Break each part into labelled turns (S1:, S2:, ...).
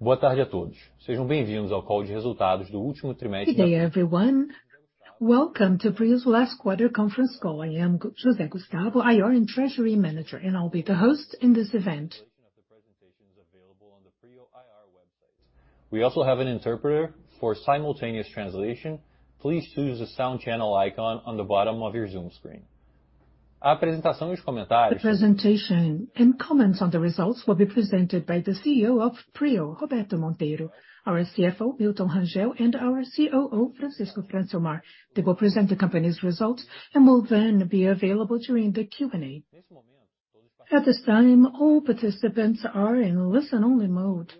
S1: Good afternoon, everyone. Welcome to Prio's last quarter conference call. I am José Gustavo, IR and Treasury Manager, and I'll be the host in this event. We also have an interpreter for simultaneous translation. Please choose the sound channel icon on the bottom of your Zoom screen. The presentation and comments on the results will be presented by the CEO of Prio, Roberto Monteiro, our CFO, Milton Rangel, and our COO, Francisco Francilmar. They will present the company's results and will then be available during the Q&A. At this time, all participants are in listen-only mode.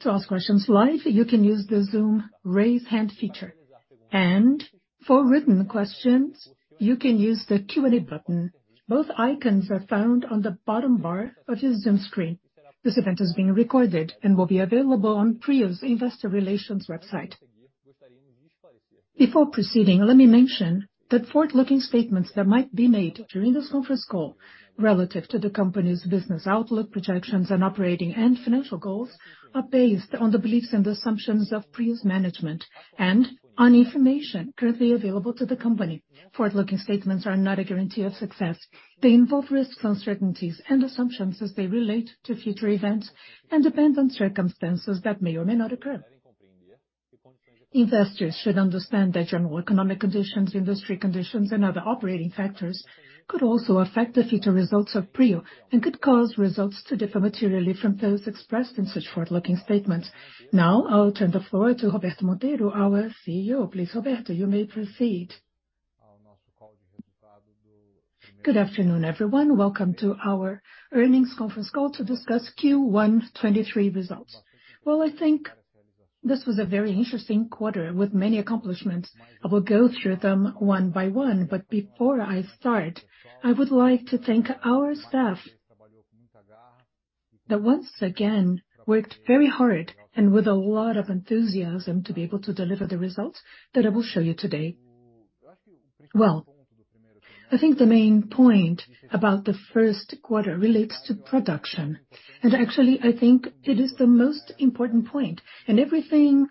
S1: To ask questions live, you can use the Zoom raise hand feature, and for written questions, you can use the Q&A button. Both icons are found on the bottom bar of your Zoom screen. This event is being recorded and will be available on Prio's Investor Relations website. Before proceeding, let me mention that forward-looking statements that might be made during this conference call relative to the company's business outlook, projections, and operating and financial goals are based on the beliefs and assumptions of Prio's management and on information currently available to the company. Forward-looking statements are not a guarantee of success. They involve risks, uncertainties, and assumptions as they relate to future events and depend on circumstances that may or may not occur. Investors should understand that general economic conditions, industry conditions, and other operating factors could also affect the future results of Prio and could cause results to differ materially from those expressed in such forward-looking statements. Now, I'll turn the floor to Roberto Monteiro, our CEO. Please, Roberto, you may proceed.
S2: Good afternoon, everyone. Welcome to our earnings conference call to discuss Q1 2023 results. I think this was a very interesting quarter with many accomplishments. I will go through them one by one, but before I start, I would like to thank our staff that once again worked very hard and with a lot of enthusiasm to be able to deliver the results that I will show you today. I think the main point about the first quarter relates to production, and actually, I think it is the most important point, and everything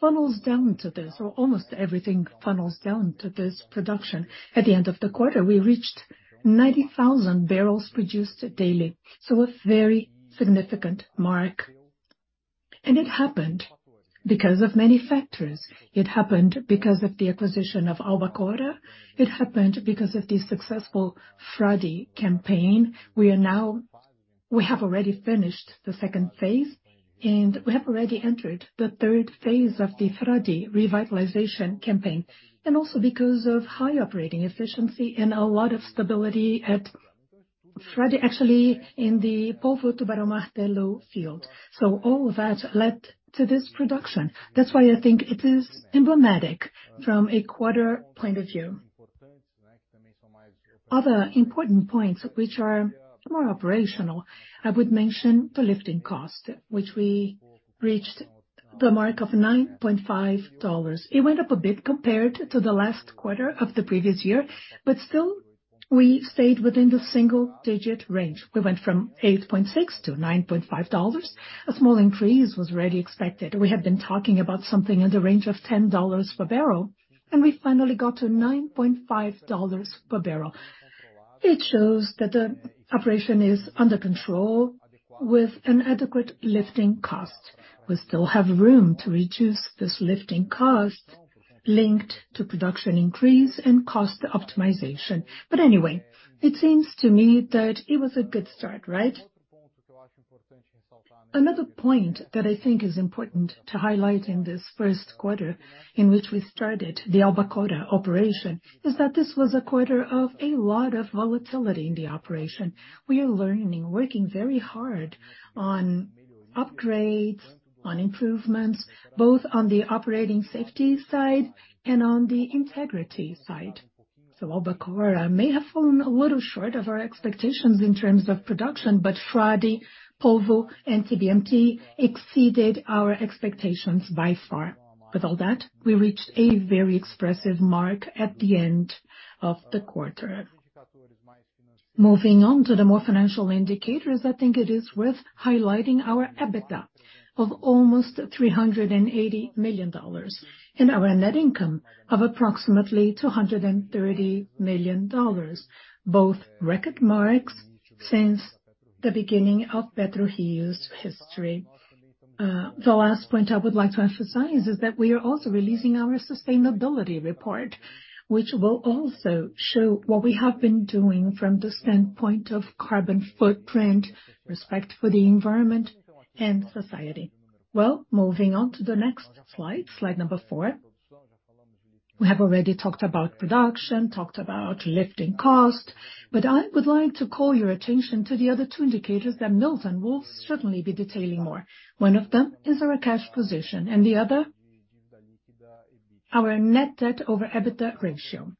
S2: funnels down to this, or almost everything funnels down to this production. At the end of the quarter, we reached 90,000 barrels produced daily, so a very significant mark. It happened because of many factors. It happened because of the acquisition of Albacora. It happened because of the successful Frade campaign. We have already finished the second phase. We have already entered the third phase of the Frade revitalization campaign. Also because of high operating efficiency and a lot of stability at Frade, actually in the Polvo Tubarão Martelo field. All that led to this production. That's why I think it is emblematic from a quarter point of view. Other important points which are more operational, I would mention the lifting cost, which we reached the mark of $9.5. It went up a bit compared to the last quarter of the previous year. Still we stayed within the single-digit range. We went from $8.6 to $9.5. A small increase was already expected. We have been talking about something in the range of $10 per barrel, and we finally got to $9.5 per barrel. It shows that the operation is under control with an adequate lifting cost. We still have room to reduce this lifting cost linked to production increase and cost optimization. Anyway, it seems to me that it was a good start, right? Another point that I think is important to highlight in this first quarter in which we started the Albacora operation is that this was a quarter of a lot of volatility in the operation. We are learning, working very hard on upgrades, on improvements, both on the operating safety side and on the integrity side. Albacora may have fallen a little short of our expectations in terms of production, but Frade, Polvo, and TBMT exceeded our expectations by far. With all that, we reached a very expressive mark at the end of the quarter. Moving on to the more financial indicators, I think it is worth highlighting our EBITDA of almost $380 million and our net income of approximately $230 million, both record marks since the beginning of PetroRio's history. The last point I would like to emphasize is that we are also releasing our sustainability report, which will also show what we have been doing from the standpoint of carbon footprint, respect for the environment and society. Well, moving on to the next slide number 4. We have already talked about production, talked about lifting cost, but I would like to call your attention to the other two indicators that Milton will certainly be detailing more. One of them is our cash position and the other, our net debt over EBITDA ratio.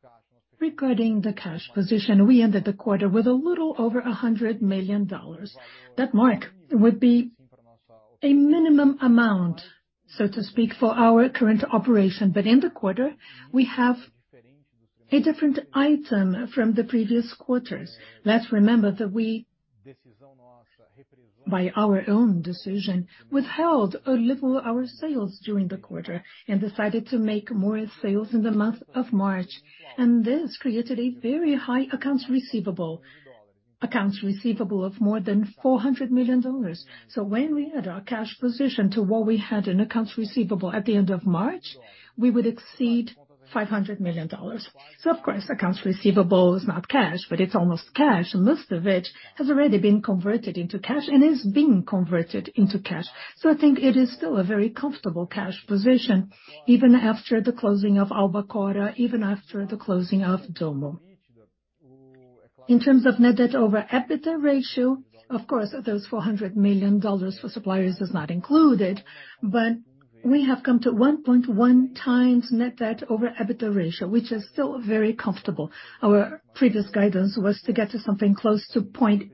S2: Regarding the cash position, we ended the quarter with a little over $100 million. That mark would be a minimum amount, so to speak, for our current operation. In the quarter, we have a different item from the previous quarters. Let's remember that we, by our own decision, withheld a little our sales during the quarter and decided to make more sales in the month of March. This created a very high accounts receivable. Accounts receivable of more than $400 million. When we add our cash position to what we had in accounts receivable at the end of March, we would exceed $500 million. Of course, accounts receivable is not cash, but it's almost cash, and most of it has already been converted into cash and is being converted into cash. I think it is still a very comfortable cash position even after the closing of Albacora, even after the closing of Tupi. In terms of net debt over EBITDA ratio, of course, those $400 million for suppliers is not included, we have come to 1.1 times net debt over EBITDA ratio, which is still very comfortable. Our previous guidance was to get to something close to 0.8,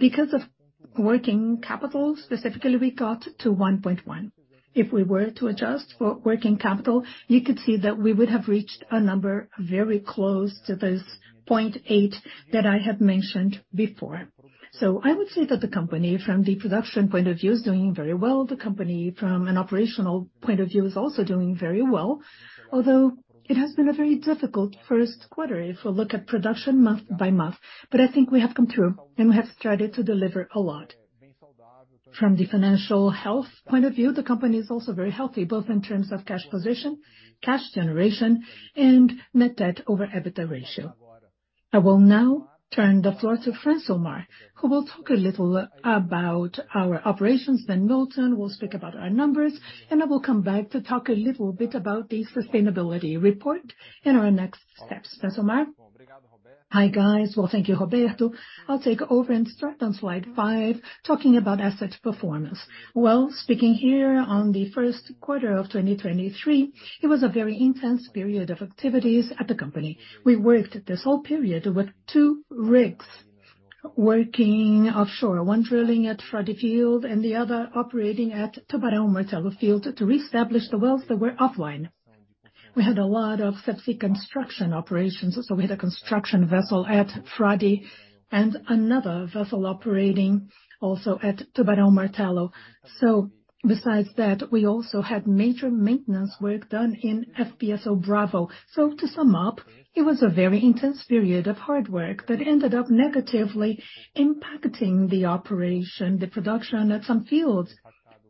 S2: because of working capital specifically, we got to 1.1. If we were to adjust for working capital, you could see that we would have reached a number very close to this 0.8 that I had mentioned before. I would say that the company from the production point of view is doing very well. The company from an operational point of view is also doing very well, although it has been a very difficult first quarter if you look at production month by month. I think we have come through, and we have started to deliver a lot. From the financial health point of view, the company is also very healthy, both in terms of cash position, cash generation, and net debt over EBITDA ratio. I will now turn the floor to Francisco Omar, who will talk a little about our operations, then Milton will speak about our numbers, and I will come back to talk a little bit about the sustainability report and our next steps. Francisco Omar?
S3: Hi, guys. Well, thank you, Roberto. I'll take over and start on slide 5, talking about asset performance. Speaking here on the 1st quarter of 2023, it was a very intense period of activities at the company. We worked this whole period with 2 rigs working offshore, one drilling at Frade Field and the other operating at Tubarão Martelo Field to reestablish the wells that were offline. We had a lot of subsea construction operations, we had a construction vessel at Frade and another vessel operating also at Tubarão Martelo. Besides that, we also had major maintenance work done in FPSO Bravo. To sum up, it was a very intense period of hard work that ended up negatively impacting the operation, the production at some fields,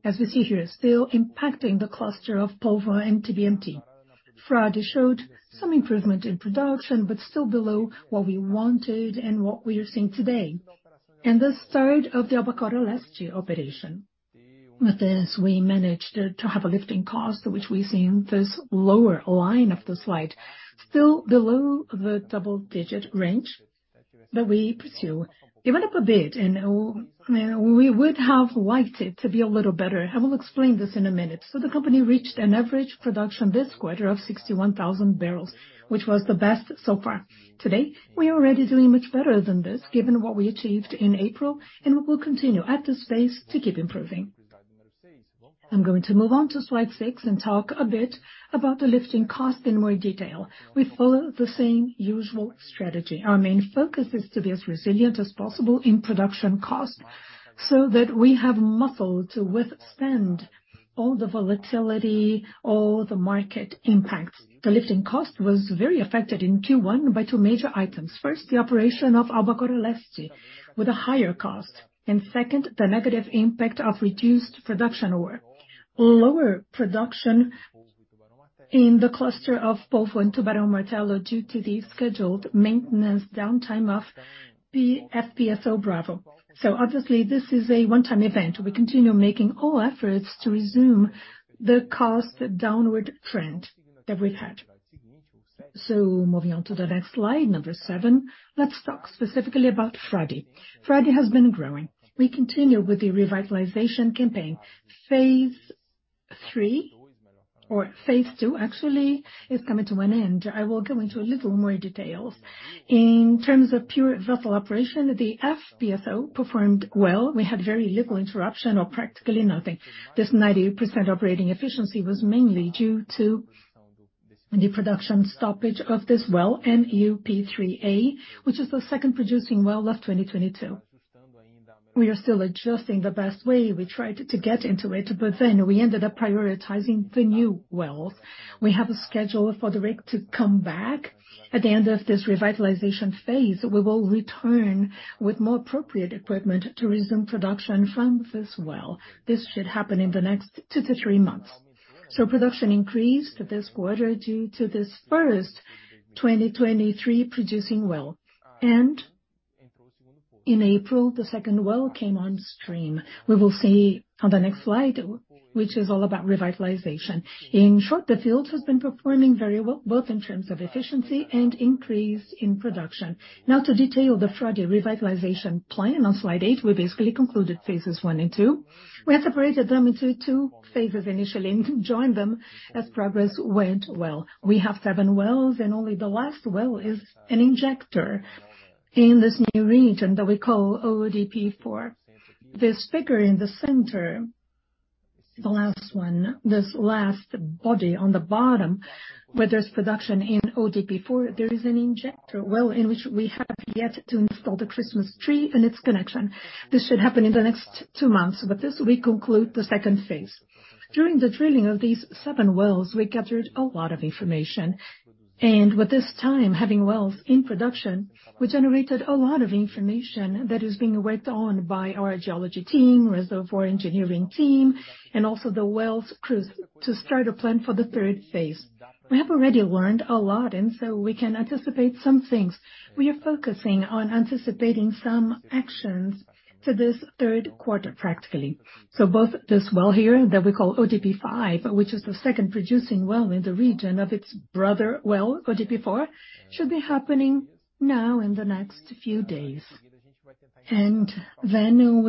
S3: as you see here, still impacting the cluster of Polvo and Tubarão Martelo. Frade showed some improvement in production, but still below what we wanted and what we are seeing today. The start of the Albacora Leste operation. With this, we managed to have a lifting cost, which we see in this lower line of the slide, still below the double digit range that we pursue, given up a bit, and we would have liked it to be a little better. I will explain this in a minute. The company reached an average production this quarter of 61,000 barrels, which was the best so far. Today, we are already doing much better than this, given what we achieved in April, and we will continue at this pace to keep improving. I'm going to move on to slide 6 and talk a bit about the lifting cost in more detail. We follow the same usual strategy. Our main focus is to be as resilient as possible in production cost that we have muscle to withstand all the volatility, all the market impacts. The lifting cost was very affected in Q1 by two major items. First, the operation of Albacora Leste with a higher cost. Second, the negative impact of reduced production or lower production in the cluster of Polvo and Tubarão Martelo due to the scheduled maintenance downtime of the FPSO Bravo. Obviously this is a one-time event. We continue making all efforts to resume the cost downward trend that we've had. Moving on to the next slide, number 7, let's talk specifically about Frade. Frade has been growing. We continue with the revitalization campaign. Phase III, or phase II actually is coming to an end. I will go into a little more details. In terms of pure vessel operation, the FPSO performed well. We had very little interruption or practically nothing. This 90% operating efficiency was mainly due to the production stoppage of this well, MUP3A, which is the second producing well of 2022. We are still adjusting the best way we tried to get into it, we ended up prioritizing the new wells. We have a schedule for the rig to come back. At the end of this revitalization phase, we will return with more appropriate equipment to resume production from this well. This should happen in the next 2-3 months. Production increased this quarter due to this first 2023 producing well. In April, the second well came on stream. We will see on the next slide, which is all about revitalization. In short, the field has been performing very well, both in terms of efficiency and increase in production. To detail the Frade revitalization plan on slide 8, we basically concluded phases 1 and 2. We had separated them into 2 phases initially and joined them as progress went well. We have 7 wells and only the last well is an injector in this new region that we call ODP four. The last one, this last body on the bottom where there's production in ODP-four, there is an injector well in which we have yet to install the Christmas tree and its connection. This should happen in the next 2 months, this will conclude the second phase. During the drilling of these seven wells, we gathered a lot of information. With this time having wells in production, we generated a lot of information that is being worked on by our geology team, reservoir engineering team, and also the wells crews to start a plan for the third phase. We have already learned a lot. We can anticipate some things. We are focusing on anticipating some actions for this third quarter, practically. Both this well here that we call ODP-5, which is the second producing well in the region of its brother well, ODP-4, should be happening now in the next few days. We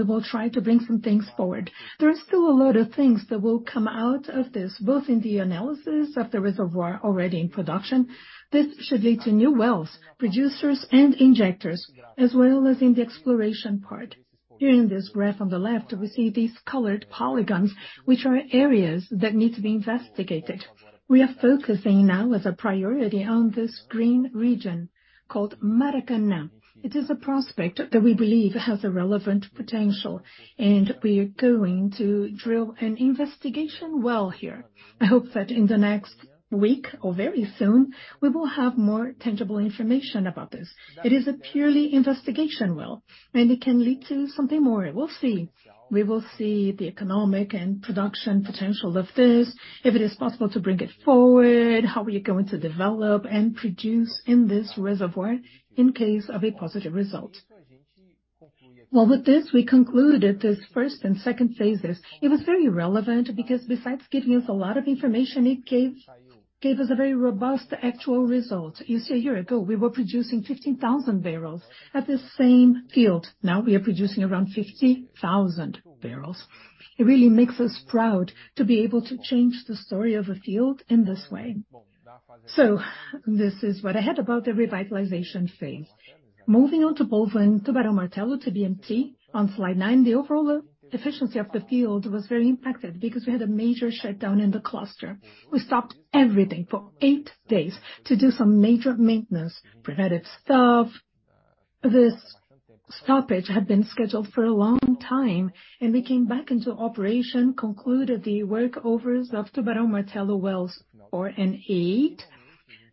S3: will try to bring some things forward. There are still a lot of things that will come out of this, both in the analysis of the reservoir already in production. This should lead to new wells, producers and injectors, as well as in the exploration part. Here in this graph on the left, we see these colored polygons, which are areas that need to be investigated. We are focusing now as a priority on this green region called Maracanã. It is a prospect that we believe has a relevant potential, and we are going to drill an investigation well here. I hope that in the next week or very soon, we will have more tangible information about this. It is a purely investigation well, and it can lead to something more. We'll see. We will see the economic and production potential of this, if it is possible to bring it forward, how we are going to develop and produce in this reservoir in case of a positive result. Well, with this, we concluded these first and second phases.
S2: It was very relevant because besides giving us a lot of information, it gave us a very robust actual result. You see, a year ago, we were producing 15,000 barrels at the same field. Now we are producing around 50,000 barrels. It really makes us proud to be able to change the story of a field in this way. This is what I had about the revitalization phase. Moving on to Polvo and Tubarão Martelo, TBMT, on slide 9, the overall efficiency of the field was very impacted because we had a major shutdown in the cluster. We stopped everything for 8 days to do some major maintenance, preventive stuff. This stoppage had been scheduled for a long time, and we came back into operation, concluded the workovers of Tubarão Martelo wells 4 and 8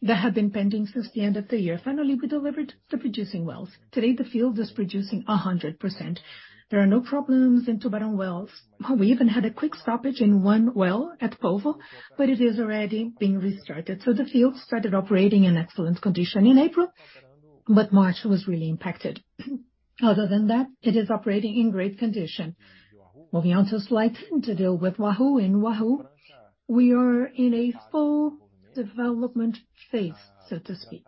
S2: that had been pending since the end of the year.
S3: We delivered the producing wells. Today, the field is producing 100%. There are no problems in Tubarão wells. We even had a quick stoppage in one well at Polvo. It is already being restarted. The field started operating in excellent condition in April. March was really impacted. Other than that, it is operating in great condition. Moving on to slide 10 to deal with Wahoo. In Wahoo, we are in a full development phase, so to speak.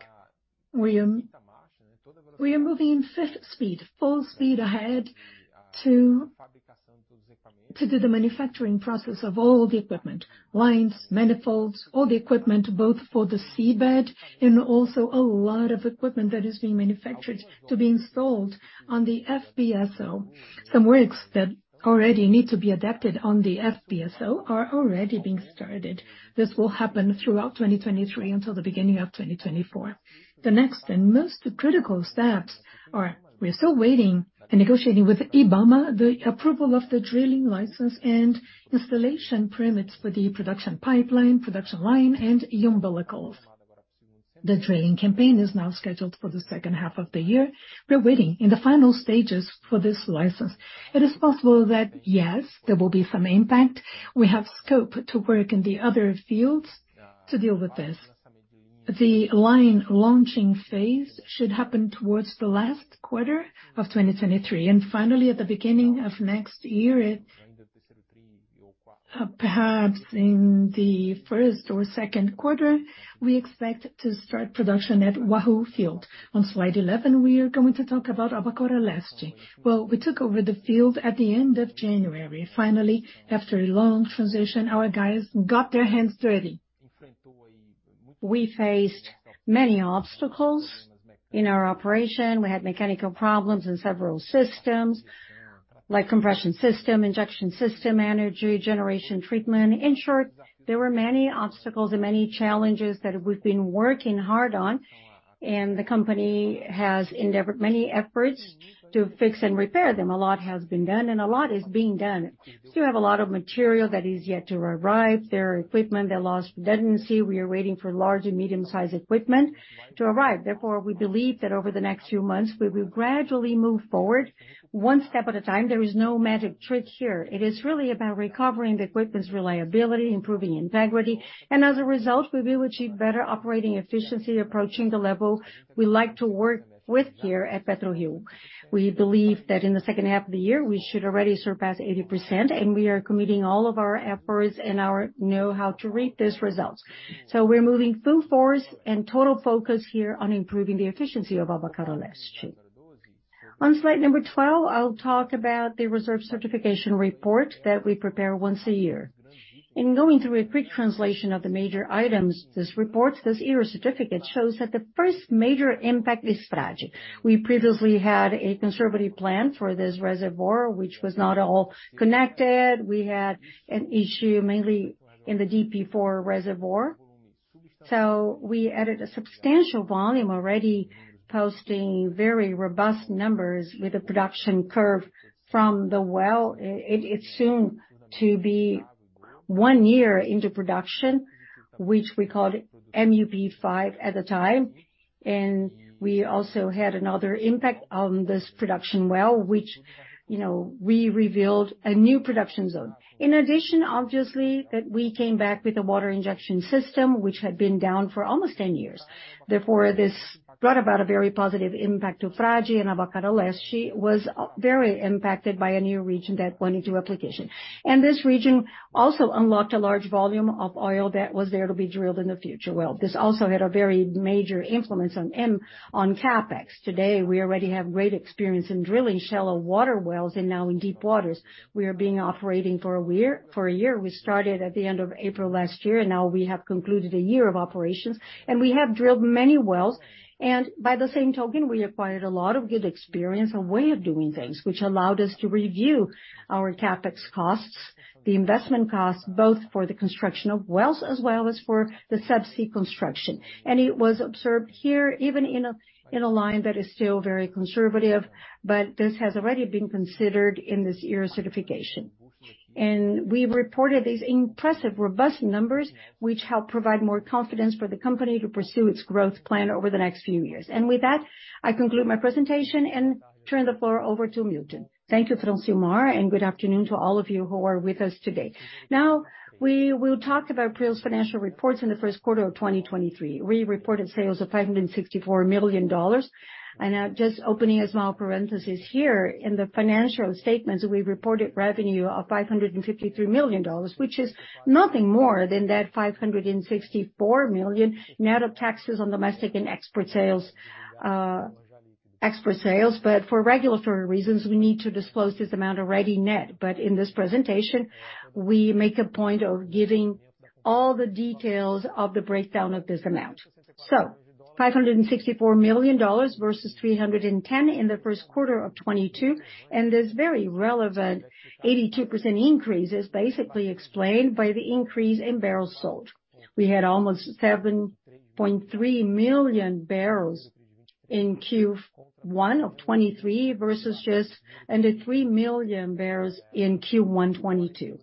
S3: We are moving fifth speed, full speed ahead to do the manufacturing process of all the equipment, lines, manifolds, all the equipment, both for the seabed and also a lot of equipment that is being manufactured to be installed on the FPSO. Some works that already need to be adapted on the FPSO are already being started. This will happen throughout 2023 until the beginning of 2024. The next and most critical steps are we are still waiting and negotiating with IBAMA, the approval of the drilling license and installation permits for the production pipeline, production line and umbilicals. The drilling campaign is now scheduled for the second half of the year. We're waiting in the final stages for this license. It is possible that, yes, there will be some impact. We have scope to work in the other fields to deal with this. The line launching phase should happen towards the last quarter of 2023. Finally, at the beginning of next year, perhaps in the first or second quarter, we expect to start production at Wahoo field. On slide 11, we are going to talk about Albacora Leste. Well, we took over the field at the end of January. Finally, after a long transition, our guys got their hands dirty. We faced many obstacles in our operation. We had mechanical problems in several systems like compression system, injection system, energy generation treatment. In short, there were many obstacles and many challenges that we've been working hard on, and the company has endeavored many efforts to fix and repair them. A lot has been done and a lot is being done. We still have a lot of material that is yet to arrive. There are equipment that lost density. We are waiting for large and medium-sized equipment to arrive. Therefore, we believe that over the next few months, we will gradually move forward one step at a time. There is no magic trick here. It is really about recovering the equipment's reliability, improving integrity, and as a result, we will achieve better operating efficiency approaching the level we like to work with here at PetroRio. We believe that in the second half of the year, we should already surpass 80%, and we are committing all of our efforts and our know-how to reap these results. We're moving full force and total focus here on improving the efficiency of Albacora Leste. On slide number 12, I'll talk about the reserve certification report that we prepare once a year. In going through a quick translation of the major items, this report, this year's certificate shows that the first major impact is Frade. We previously had a conservative plan for this reservoir, which was not all connected. We had an issue mainly in the DP4 reservoir. We added a substantial volume already posting very robust numbers with a production curve from the well. It's soon to be 1 year into production, which we called MUP5 at the time. We also had another impact on this production well, which, you know, we revealed a new production zone. In addition, obviously, that we came back with a water injection system which had been down for almost 10 years. Therefore, this brought about a very positive impact to Frade and Albacora Leste was very impacted by a new region that went into application. This region also unlocked a large volume of oil that was there to be drilled in the future well. This also had a very major influence on CapEx. Today, we already have great experience in drilling shallow water wells and now in deep waters. We are being operating for a year. We started at the end of April last year. Now we have concluded a year of operations. We have drilled many wells. By the same token, we acquired a lot of good experience and way of doing things, which allowed us to review our CapEx costs, the investment costs, both for the construction of wells as well as for the subsea construction. It was observed here, even in a line that is still very conservative, but this has already been considered in this year's certification. We reported these impressive, robust numbers, which help provide more confidence for the company to pursue its growth plan over the next few years. With that, I conclude my presentation and turn the floor over to Milton.
S4: Thank you, Francimar, and good afternoon to all of you who are with us today. Now, we will talk about Prio's financial reports in the first quarter of 2023. We reported sales of $564 million. Just opening a small parenthesis here, in the financial statements, we reported revenue of $553 million, which is nothing more than that $564 million net of taxes on domestic and export sales, export sales. For regulatory reasons, we need to disclose this amount already net. In this presentation, we make a point of giving all the details of the breakdown of this amount. $564 million versus $310 million in the first quarter of 2022, and this very relevant 82% increase is basically explained by the increase in barrels sold. We had almost 7.3 million barrels in Q1 of 2023 versus just under 3 million barrels in Q1 2022.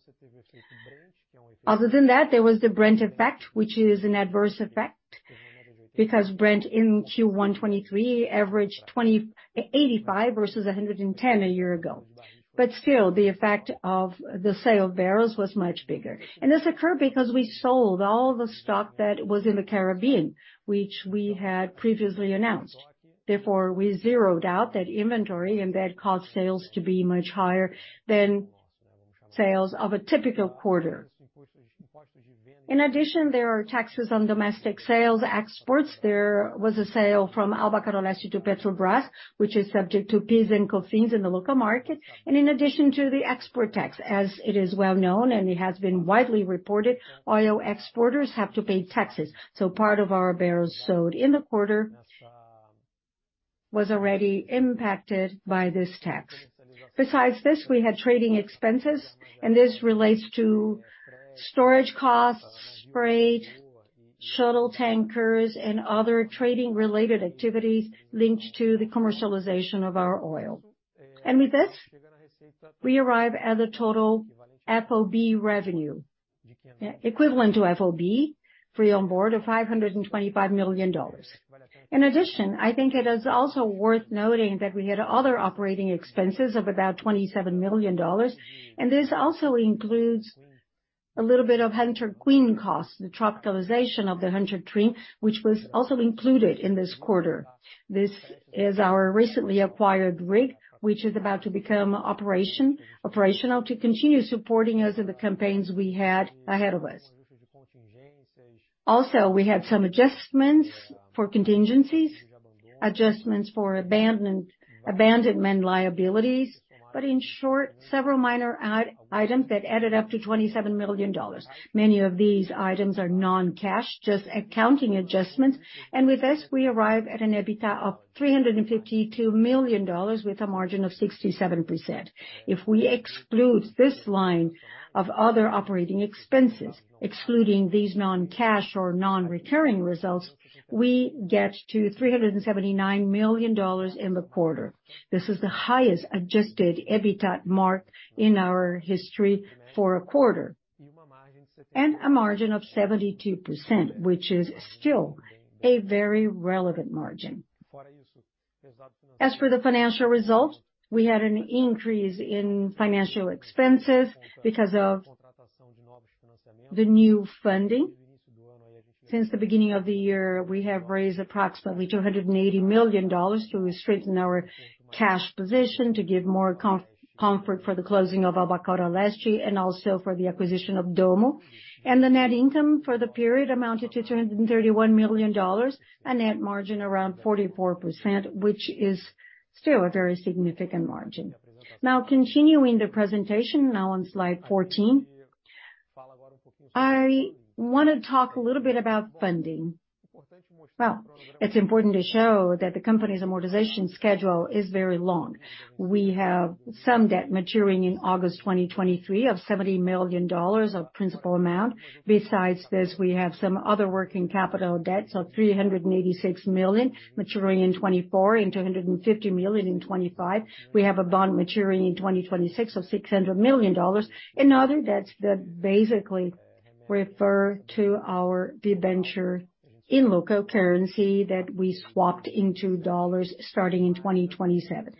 S4: Other than that, there was the Brent effect, which is an adverse effect because Brent in Q1 2023 averaged $85 versus $110 a year ago. Still, the effect of the sale of barrels was much bigger. This occurred because we sold all the stock that was in the Caribbean, which we had previously announced. Therefore, we zeroed out that inventory, and that caused sales to be much higher than sales of a typical quarter. In addition, there are taxes on domestic sales exports. There was a sale from Albacora Leste to Petrobras, which is subject to PIS and COFINS in the local market. In addition to the export tax, as it is well known, and it has been widely reported, oil exporters have to pay taxes. Part of our barrels sold in the quarter was already impacted by this tax. Besides this, we had trading expenses, and this relates to storage costs, freight, shuttle tankers and other trading-related activities linked to the commercialization of our oil. With this, we arrive at a total FOB revenue, equivalent to FOB, Free On Board, of $525 million. In addition, I think it is also worth noting that we had other operating expenses of about $27 million, and this also includes a little bit of Hunter Queen costs, the tropicalization of the Hunter Queen, which was also included in this quarter. This is our recently acquired rig, which is about to become operational to continue supporting us in the campaigns we had ahead of us. We had some adjustments for contingencies, adjustments for abandonment liabilities, but in short, several minor items that added up to $27 million. Many of these items are non-cash, just accounting adjustments. With this, we arrive at an EBITDA of $352 million with a margin of 67%. If we exclude this line of other operating expenses, excluding these non-cash or non-recurring results, we get to $379 million in the quarter. This is the highest adjusted EBITDA mark in our history for a quarter, and a margin of 72%, which is still a very relevant margin. As for the financial results, we had an increase in financial expenses because of the new funding. Since the beginning of the year, we have raised approximately $280 million to strengthen our cash position, to give more comfort for the closing of Albacora Leste and also for the acquisition of Dommo. The net income for the period amounted to $231 million, a net margin around 44%, which is still a very significant margin. Now, continuing the presentation now on slide 14, I wanna talk a little bit about funding. Well, it's important to show that the company's amortization schedule is very long. We have some debt maturing in August 2023 of $70 million of principal amount. Besides this, we have some other working capital debts of $386 million maturing in 2024 and $250 million in 2025. We have a bond maturing in 2026 of $600 million, and other debts that basically refer to our debenture in local currency that we swapped into dollars starting in 2027.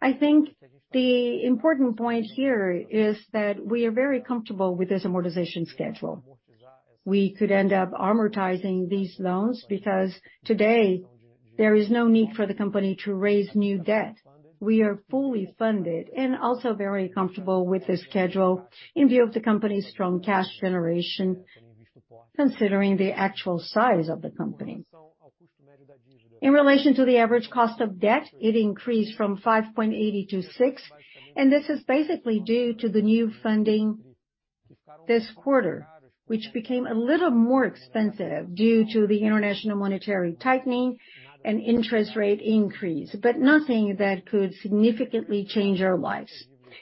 S4: I think the important point here is that we are very comfortable with this amortization schedule. We could end up amortizing these loans because today there is no need for the company to raise new debt. We are fully funded and also very comfortable with the schedule in view of the company's strong cash generation, considering the actual size of the company. In relation to the average cost of debt, it increased from 5.80 to 6, and this is basically due to the new funding this quarter, which became a little more expensive due to the international monetary tightening and interest rate increase, but nothing that could significantly change our lives.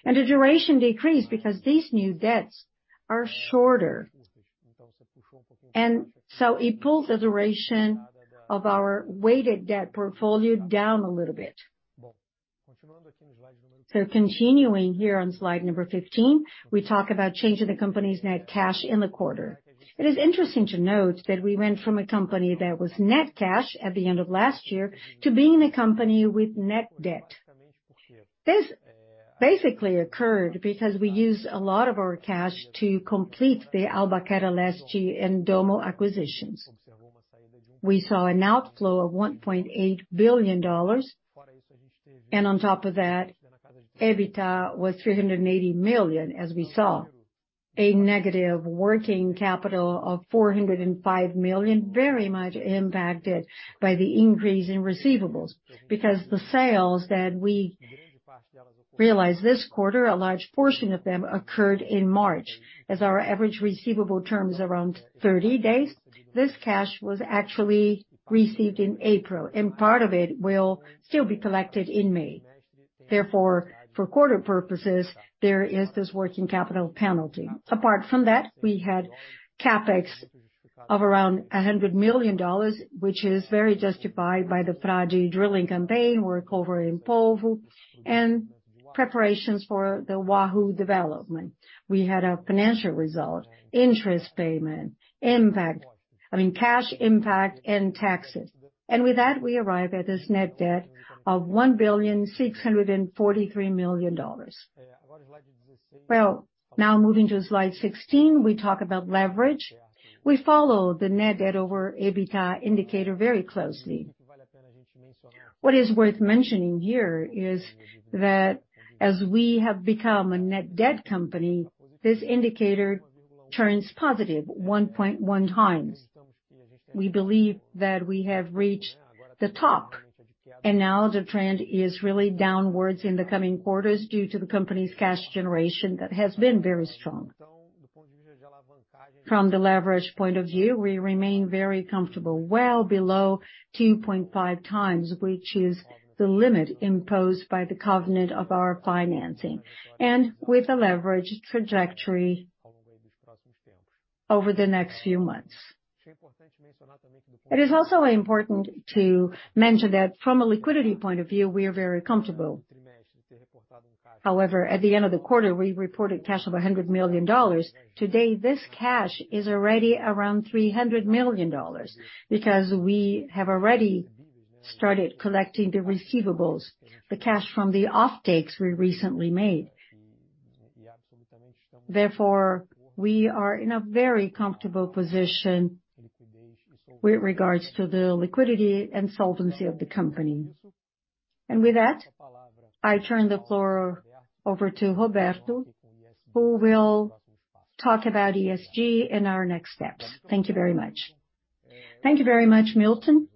S4: The duration decreased because these new debts are shorter. It pulls the duration of our weighted debt portfolio down a little bit. Continuing here on slide number 15, we talk about change in the company's net cash in the quarter. It is interesting to note that we went from a company that was net cash at the end of last year to being a company with net debt. This basically occurred because we used a lot of our cash to complete the Albacora Leste and Dommo acquisitions. We saw an outflow of $1.8 billion, and on top of that, EBITDA was $380 million, as we saw. A negative working capital of $405 million, very much impacted by the increase in receivables. The sales that we realized this quarter, a large portion of them occurred in March. As our average receivable term is around 30 days, this cash was actually received in April, and part of it will still be collected in May. For quarter purposes, there is this working capital penalty. Apart from that, we had CapEx of around $100 million, which is very justified by the Frade drilling campaign, workover in Polvo, and preparations for the Wahoo development. We had a financial result, interest payment, impact, I mean, cash impact and taxes. With that, we arrive at this net debt of $1.643 billion. Well, now moving to slide 16, we talk about leverage. We follow the net debt over EBITDA indicator very closely. What is worth mentioning here is that as we have become a net debt company, this indicator turns positive 1.1 times. We believe that we have reached the top, and now the trend is really downwards in the coming quarters due to the company's cash generation that has been very strong. From the leverage point of view, we remain very comfortable, well below 2.5 times, which is the limit imposed by the covenant of our financing, and with a leverage trajectory over the next few months. It is also important to mention that from a liquidity point of view, we are very comfortable. However, at the end of the quarter, we reported cash of $100 million. Today, this cash is already around $300 million because we have already started collecting the receivables, the cash from the offtakes we recently made. We are in a very comfortable position with regards to the liquidity and solvency of the company. With that, I turn the floor over to Roberto, who will talk about ESG and our next steps. Thank you very much.
S2: Thank you very much, Milton.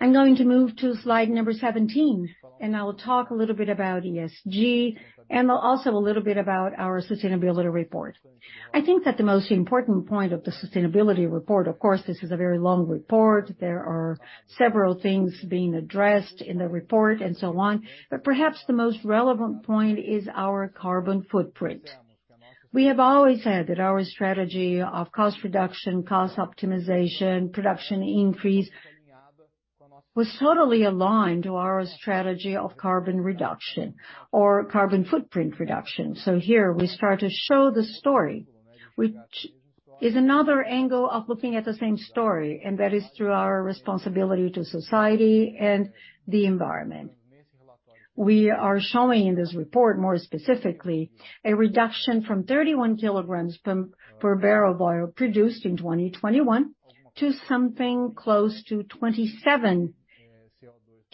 S2: I'm going to move to slide number 17, and I will talk a little bit about ESG and also a little bit about our sustainability report. I think that the most important point of the sustainability report, of course, this is a very long report. There are several things being addressed in the report, and so on. Perhaps the most relevant point is our carbon footprint. We have always said that our strategy of cost reduction, cost optimization, production increase was totally aligned to our strategy of carbon reduction or carbon footprint reduction. Here we start to show the story, which is another angle of looking at the same story, and that is through our responsibility to society and the environment. We are showing in this report more specifically a reduction from 31 kilograms per barrel of oil produced in 2021 to something close to 27 kilograms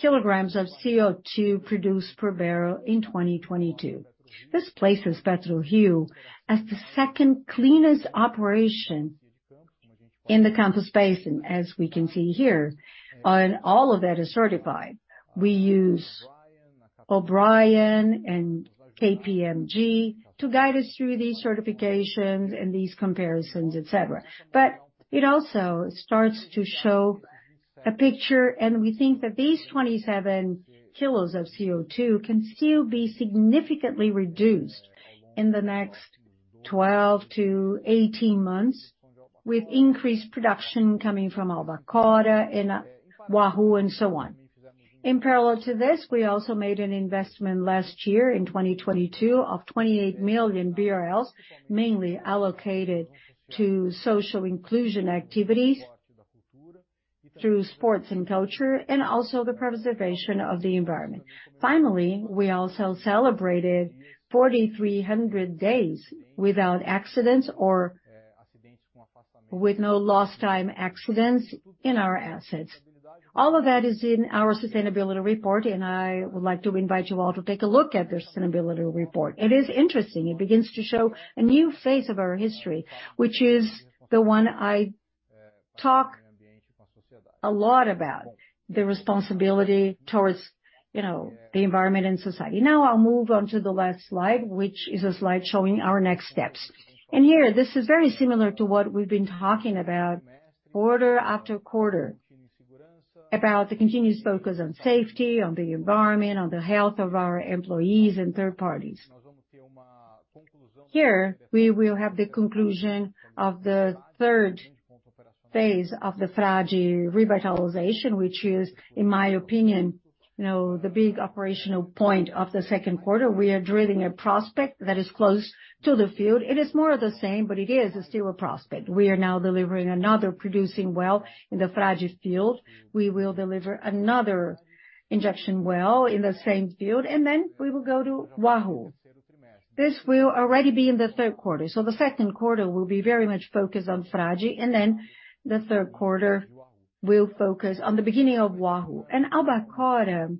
S2: of CO₂ produced per barrel in 2022. This places Prio as the second cleanest operation in the Campos Basin, as we can see here, and all of that is certified. We use O'Brien and KPMG to guide us through these certifications and these comparisons, et cetera. It also starts to show a picture, and we think that these 27 kilos of CO₂ can still be significantly reduced in the next 12 to 18 months, with increased production coming from Albacora and Wahoo, and so on. In parallel to this, we also made an investment last year in 2022 of 28 million BRL, mainly allocated to social inclusion activities through sports and culture, and also the preservation of the environment. We also celebrated 4,300 days without accidents or with no lost time accidents in our assets. All of that is in our sustainability report. I would like to invite you all to take a look at the sustainability report. It is interesting. It begins to show a new phase of our history, which is the one I talk a lot about, the responsibility towards, you know, the environment and society. I'll move on to the last slide, which is a slide showing our next steps. Here, this is very similar to what we've been talking about quarter after quarter, about the continuous focus on safety, on the environment, on the health of our employees and third parties. Here, we will have the conclusion of the third phase of the Frade revitalization, which is, in my opinion, you know, the big operational point of the second quarter. We are drilling a prospect that is close to the field. It is more of the same, but it is still a prospect. We are now delivering another producing well in the Frade field. We will deliver another injection well in the same field, and then we will go to Wahoo. This will already be in the third quarter. The second quarter will be very much focused on Frade, and then the third quarter will focus on the beginning of Wahoo. Albacora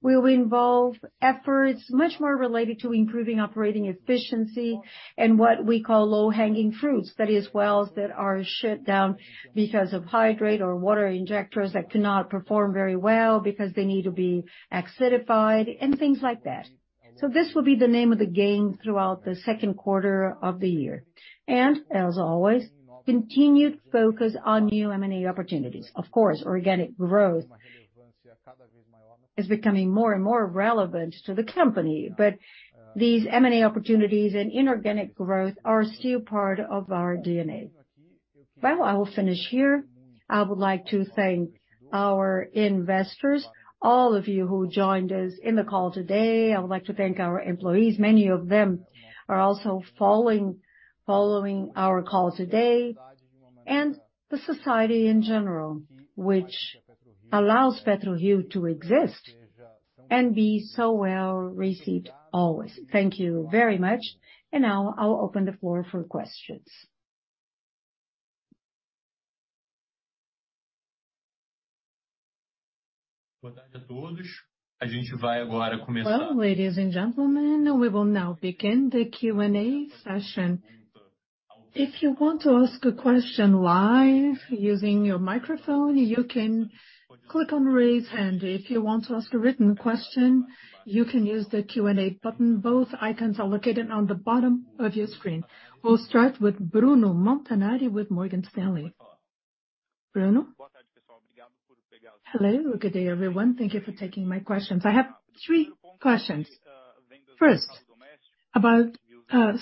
S2: will involve efforts much more related to improving operating efficiency and what we call low-hanging fruits. That is, wells that are shut down because of hydrate or water injectors that cannot perform very well because they need to be acidified and things like that. This will be the name of the game throughout the second quarter of the year. As always, continued focus on new M&A opportunities. Of course, organic growth is becoming more and more relevant to the company, but these M&A opportunities and inorganic growth are still part of our DNA. I will finish here. I would like to thank our investors, all of you who joined us in the call today. I would like to thank our employees. Many of them are also following our call today. The society in general, which allows PetroRio to exist and be so well received always. Thank you very much. Now I'll open the floor for questions.
S1: Ladies and gentlemen, we will now begin the Q&A session. If you want to ask a question live using your microphone, you can click on Raise Hand. If you want to ask a written question, you can use the Q&A button. Both icons are located on the bottom of your screen. We'll start with Bruno Montanari with Morgan Stanley. Bruno?
S5: Hello. Good day, everyone. Thank you for taking my questions. I have three questions. First, about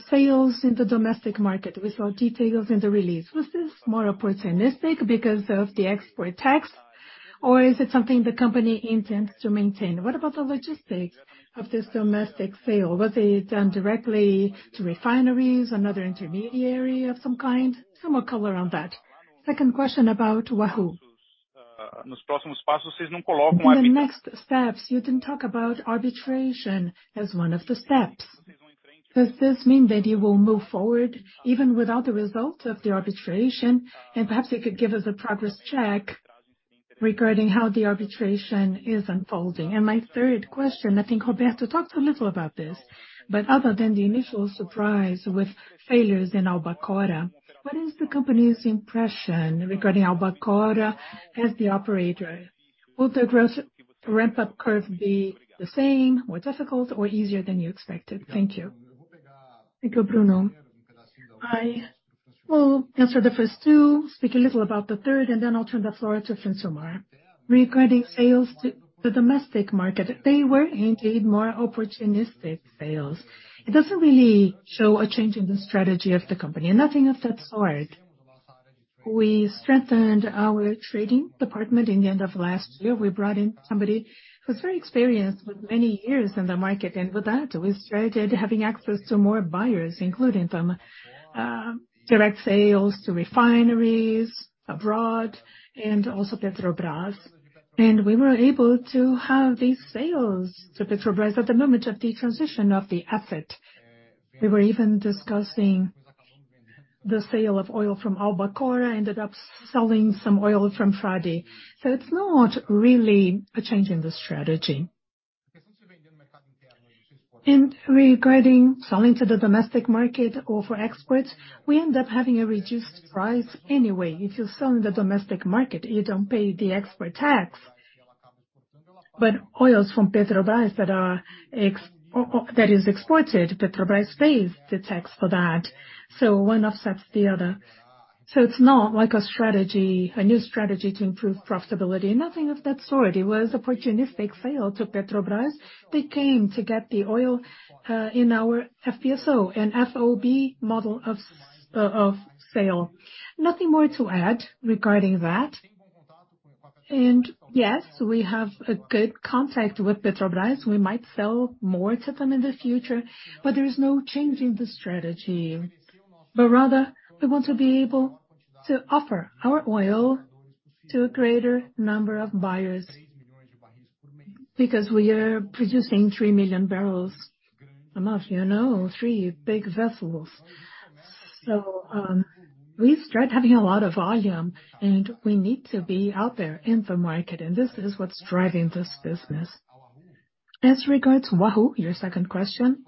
S5: sales in the domestic market. We saw details in the release. Was this more opportunistic because of the export tax, or is it something the company intends to maintain? What about the logistics of this domestic sale? Was it done directly to refineries, another intermediary of some kind? Some more color on that. Second question about Wahoo. In the next steps, you didn't talk about arbitration as one of the steps. Does this mean that you will move forward even without the result of the arbitration? Perhaps you could give us a progress check regarding how the arbitration is unfolding. My third question, I think Roberto talked a little about this, but other than the initial surprise with failures in Albacora, what is the company's impression regarding Albacora as the operator? Will the gross ramp-up curve be the same, more difficult or easier than you expected? Thank you.
S2: Thank you, Bruno. I will answer the first two, speak a little about the third, and then I'll turn the floor to Francisco Francilmar. Regarding sales to the domestic market, they were indeed more opportunistic sales. It doesn't really show a change in the strategy of the company, nothing of that sort. We strengthened our trading department in the end of last year. We brought in somebody who's very experienced with many years in the market, and with that, we started having access to more buyers, including from direct sales to refineries abroad and also Petrobras. We were able to have these sales to Petrobras at the moment of the transition of the asset. We were even discussing the sale of oil from Albacora, ended up selling some oil from Frade. It's not really a change in the strategy. Regarding selling to the domestic market or for export, we end up having a reduced price anyway. If you sell in the domestic market, you don't pay the export tax. Oils from Petrobras that are that is exported, Petrobras pays the tax for that. One offsets the other. It's not like a strategy, a new strategy to improve profitability. Nothing of that sort. It was opportunistic sale to Petrobras. They came to get the oil in our FPSO, an FOB model of sale. Nothing more to add regarding that. Yes, we have a good contact with Petrobras. We might sell more to them in the future, but there is no change in the strategy. Rather we want to be able to offer our oil to a greater number of buyers because we are producing 3 million barrels a month. You know, 3 big vessels. We start having a lot of volume, and we need to be out there in the market, and this is what's driving this business. As regards Wahoo, your second question,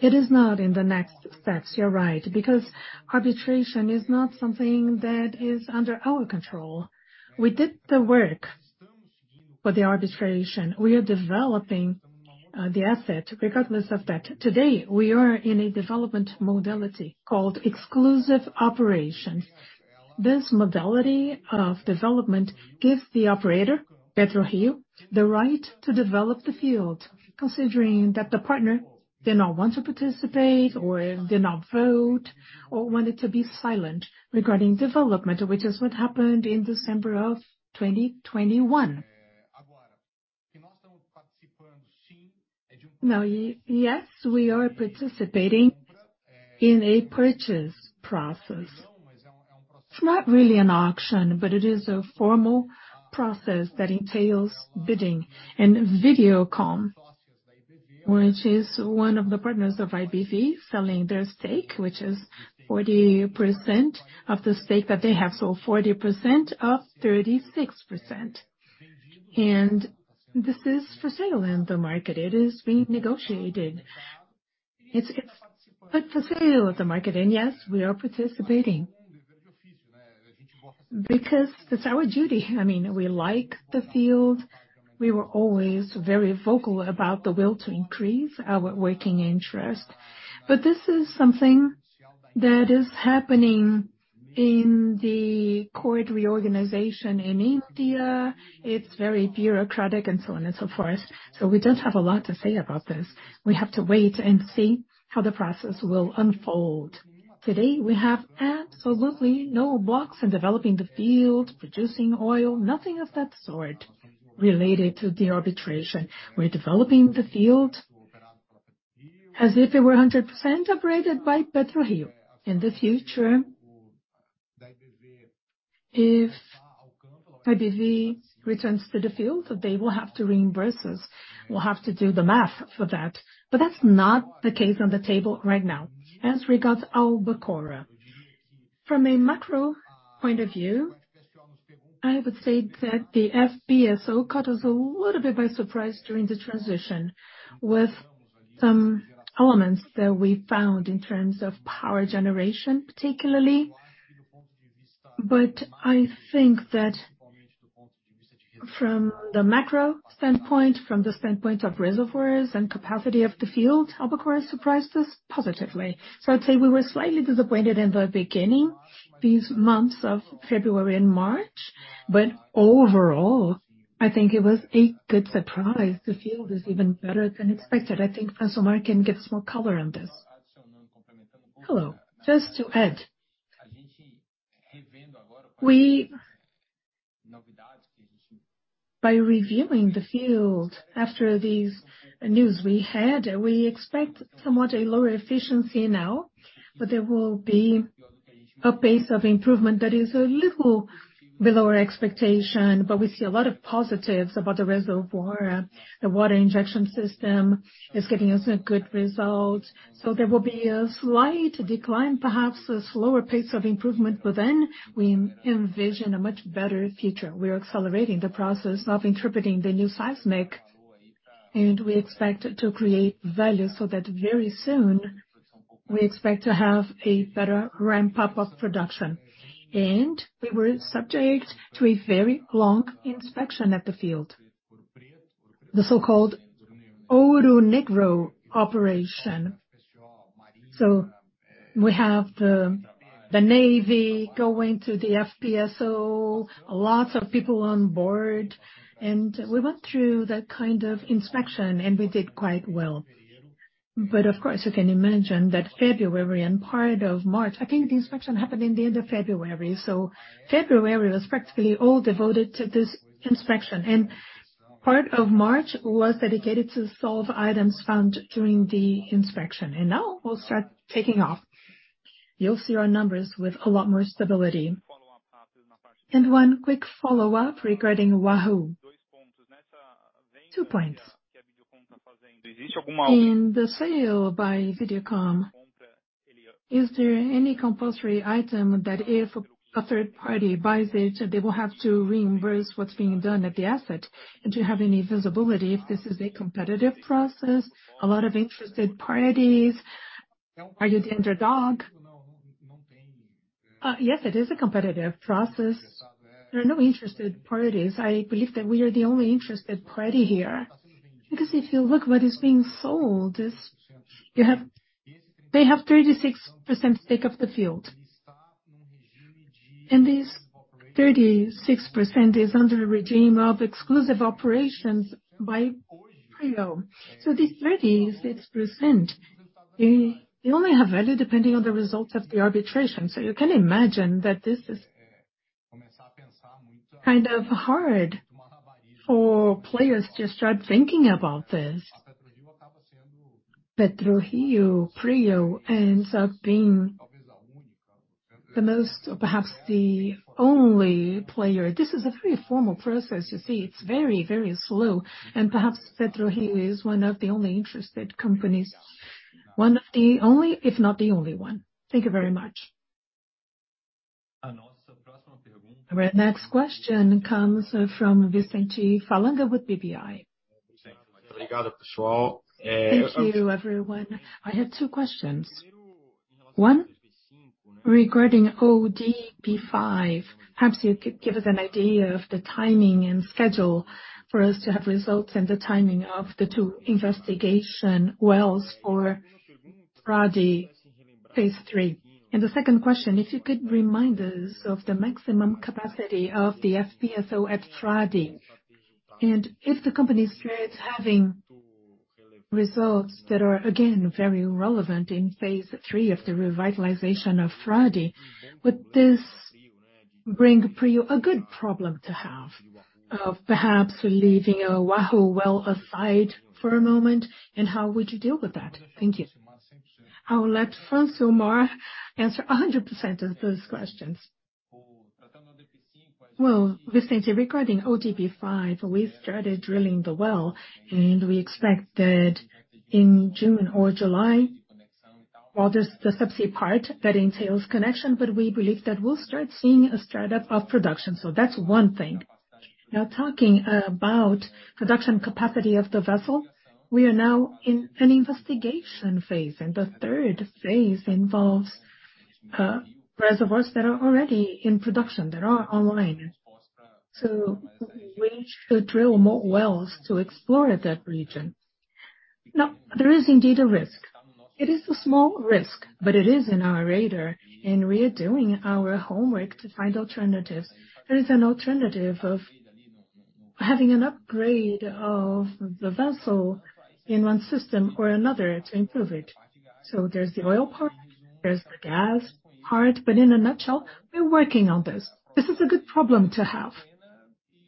S2: it is not in the next steps. You're right. Arbitration is not something that is under our control. We did the work for the arbitration. We are developing the asset regardless of that. Today, we are in a development modality called exclusive operations. This modality of development gives the operator, Prio, the right to develop the field, considering that the partner did not want to participate, or did not vote, or wanted to be silent regarding development, which is what happened in December of 2021. Yes, we are participating in a purchase process. It's not really an auction, but it is a formal process that entails bidding. Videocom, which is one of the partners of IBV, selling their stake, which is 40% of the stake that they have. 40% of 36%. This is for sale in the market. It is being negotiated. It's put for sale at the market. Yes, we are participating because it's our duty. I mean, we like the field. We were always very vocal about the will to increase our working interest. This is something that is happening in the court reorganization in India. It's very bureaucratic and so on and so forth. We don't have a lot to say about this. We have to wait and see how the process will unfold. Today, we have absolutely no blocks in developing the field, producing oil, nothing of that sort related to the arbitration. We're developing the field as if it were 100% operated by PetroRio. In the future, if IBV returns to the field, they will have to reimburse us. We'll have to do the math for that. That's not the case on the table right now. As regards Albacora, from a macro point of view, I would say that the FPSO caught us a little bit by surprise during the transition with some elements that we found in terms of power generation, particularly. I think that from the macro standpoint, from the standpoint of reservoirs and capacity of the field, Albacora surprised us positively. I'd say we were slightly disappointed in the beginning, these months of February and March. Overall, I think it was a good surprise. The field is even better than expected. I think Francisco Francilmar can give us more color on this.
S3: Hello. Just to add, by reviewing the field after these news we had, we expect somewhat a lower efficiency now, but there will be a pace of improvement that is a little below our expectation. We see a lot of positives about the reservoir. The water injection system is giving us a good result. There will be a slight decline, perhaps a slower pace of improvement, but then we envision a much better future. We are accelerating the process of interpreting the new seismic, we expect to create value so that very soon we expect to have a better ramp-up of production. We were subject to a very long inspection at the field, the so-called Ouro Negro operation. We have the Navy going to the FPSO, lots of people on board, we went through that kind of inspection, we did quite well. Of course, you can imagine that February and part of March, I think the inspection happened in the end of February was practically all devoted to this inspection. Part of March was dedicated to solve items found during the inspection. Now we'll start taking off. You'll see our numbers with a lot more stability. One quick follow-up regarding Wahoo. Two points.
S5: In the sale by Videocom, is there any compulsory item that if a third party buys it, they will have to reimburse what's being done at the asset? Do you have any visibility if this is a competitive process? A lot of interested parties? Are you the underdog?
S3: Yes, it is a competitive process. There are no interested parties. I believe that we are the only interested party here, because if you look what is being sold, is they have 36% stake of the field. This 36% is under a regime of exclusive operations by Prio. This 36%, they only have value depending on the results of the arbitration. You can imagine that this is kind of hard for players to start thinking about this. PetroRio Prio ends up being the most or perhaps the only player. This is a very formal process, you see. It's very, very slow. Perhaps PetroRio is one of the only interested companies. One of the only, if not the only one.
S1: Thank you very much. Our next question comes from Vicente Falanga with BBI.
S6: Thank you, everyone. I had 2 questions. One regarding OGP-5. Perhaps you could give us an idea of the timing and schedule for us to have results and the timing of the 2 investigation wells for Frade Phase III. The second question, if you could remind us of the maximum capacity of the FPSO at Frade. If the company starts having results that are again very relevant in Phase III of the revitalization of Frade, would this bring Prio a good problem to have of perhaps leaving a Wahoo well aside for a moment? How would you deal with that? Thank you.
S2: I will let Francisco Francilmar answer 100% of those questions.
S3: Vicente, regarding OGP-5, we started drilling the well, and we expect that in June or July. While there's the subsea part that entails connection, but we believe that we'll start seeing a startup of production. That's one thing. Talking about production capacity of the vessel, we are now in an investigation phase, and the third phase involves reservoirs that are already in production, that are online. We need to drill more wells to explore that region. There is indeed a risk. It is a small risk, but it is in our radar, and we are doing our homework to find alternatives. There is an alternative of having an upgrade of the vessel in one system or another to improve it. There's the oil part, there's the gas part, in a nutshell, we're working on this. This is a good problem to have.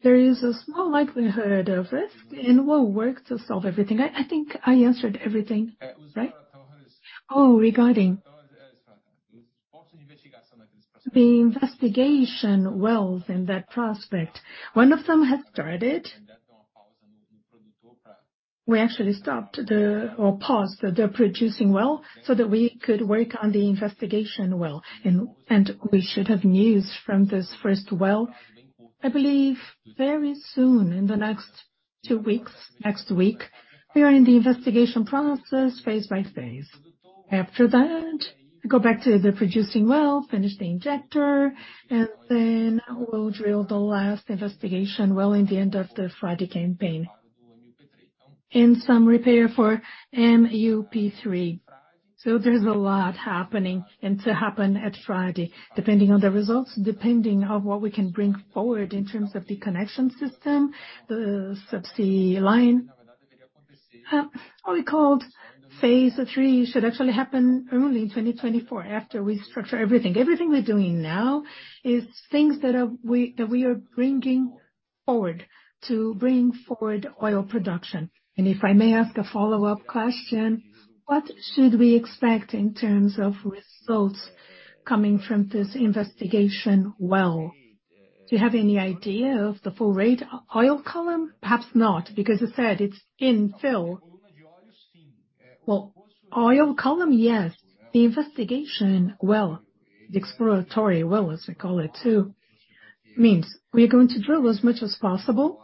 S3: There is a small likelihood of risk, we'll work to solve everything. I think I answered everything, right? Regarding the investigation wells in that prospect, one of them has started. We actually paused the producing well so that we could work on the investigation well. We should have news from this first well, I believe very soon, in the next 2 weeks, next week. We are in the investigation process phase by phase. After that, we go back to the producing well, finish the injector, we'll drill the last investigation well in the end of the Frade campaign. Some repair for MUP3. There's a lot happening and to happen at Frade, depending on the results, depending on what we can bring forward in terms of the connection system, the subsea line. What we called Phase III should actually happen early in 2024 after we structure everything. Everything we're doing now is things that we are bringing forward to bring forward oil production.
S6: If I may ask a follow-up question, what should we expect in terms of results coming from this investigation well? Do you have any idea of the full rate oil column?
S3: Perhaps not, because you said it's infill. Well, oil column, yes. The investigation well, the exploratory well, as we call it too, means we are going to drill as much as possible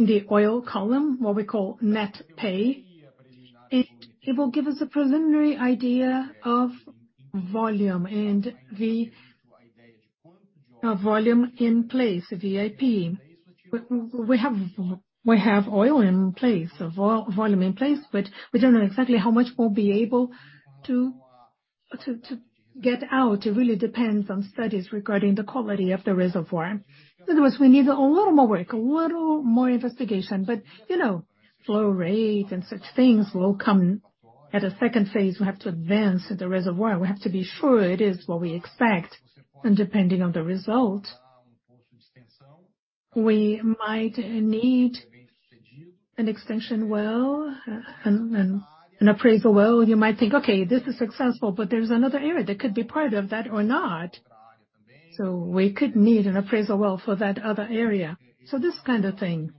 S3: in the oil column, what we call net pay. It will give us a preliminary idea of volume and the Volume in Place, VIP. We have Oil in Place, Volume in Place, but we don't know exactly how much we'll be able to get out. It really depends on studies regarding the quality of the reservoir. In other words, we need a little more work, a little more investigation. You know, flow rate and such things will come at a second phase. We have to advance the reservoir. We have to be sure it is what we expect. Depending on the result, we might need an extension well, an appraisal well. You might think, "Okay, this is successful," but there's another area that could be part of that or not. We could need an appraisal well for that other area. This kind of thing.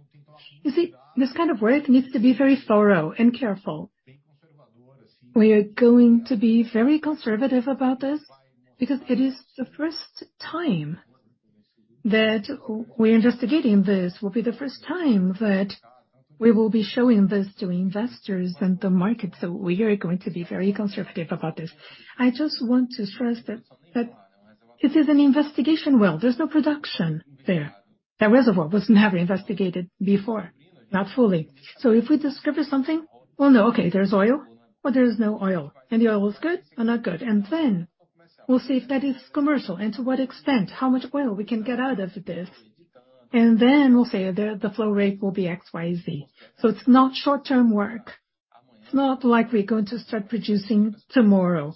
S3: You see, this kind of work needs to be very thorough and careful. We are going to be very conservative about this because it is the first time that we're investigating this. Will be the first time that we will be showing this to investors and the market, so we are going to be very conservative about this. I just want to stress that this is an investigation well, there's no production there. That reservoir was never investigated before, not fully. If we discover something, we'll know, okay, there's oil or there's no oil, and the oil is good or not good. Then we'll see if that is commercial and to what extent, how much oil we can get out of this. We'll say, the flow rate will be XYZ. It's not short-term work. It's not like we're going to start producing tomorrow.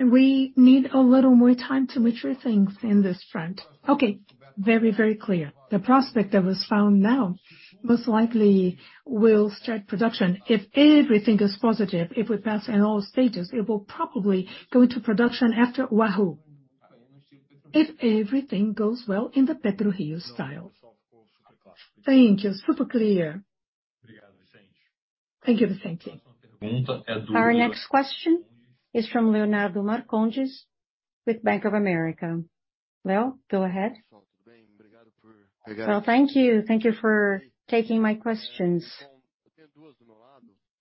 S3: We need a little more time to mature things in this front. Okay. Very, very clear. The prospect that was found now most likely will start production. If everything is positive, if we pass in all stages, it will probably go into production after Wahoo. If everything goes well in the PetroRio style.
S6: Thank you. Super clear.
S1: Thank you, Vicente. Our next question is from Leonardo Marcondes with Bank of America. Leo, go ahead.
S7: Well, thank you. Thank you for taking my questions.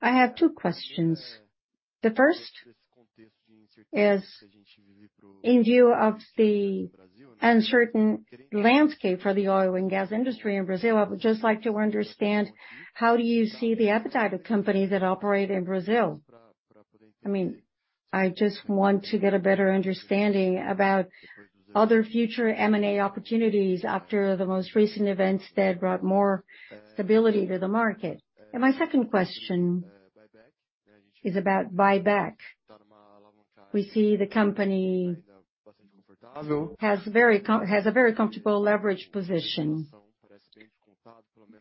S7: I have two questions. The first is, in view of the uncertain landscape for the oil and gas industry in Brazil, I would just like to understand how do you see the appetite of companies that operate in Brazil? I mean, I just want to get a better understanding about other future M&A opportunities after the most recent events that brought more stability to the market. My second question is about buyback. We see the company has a very comfortable leverage position.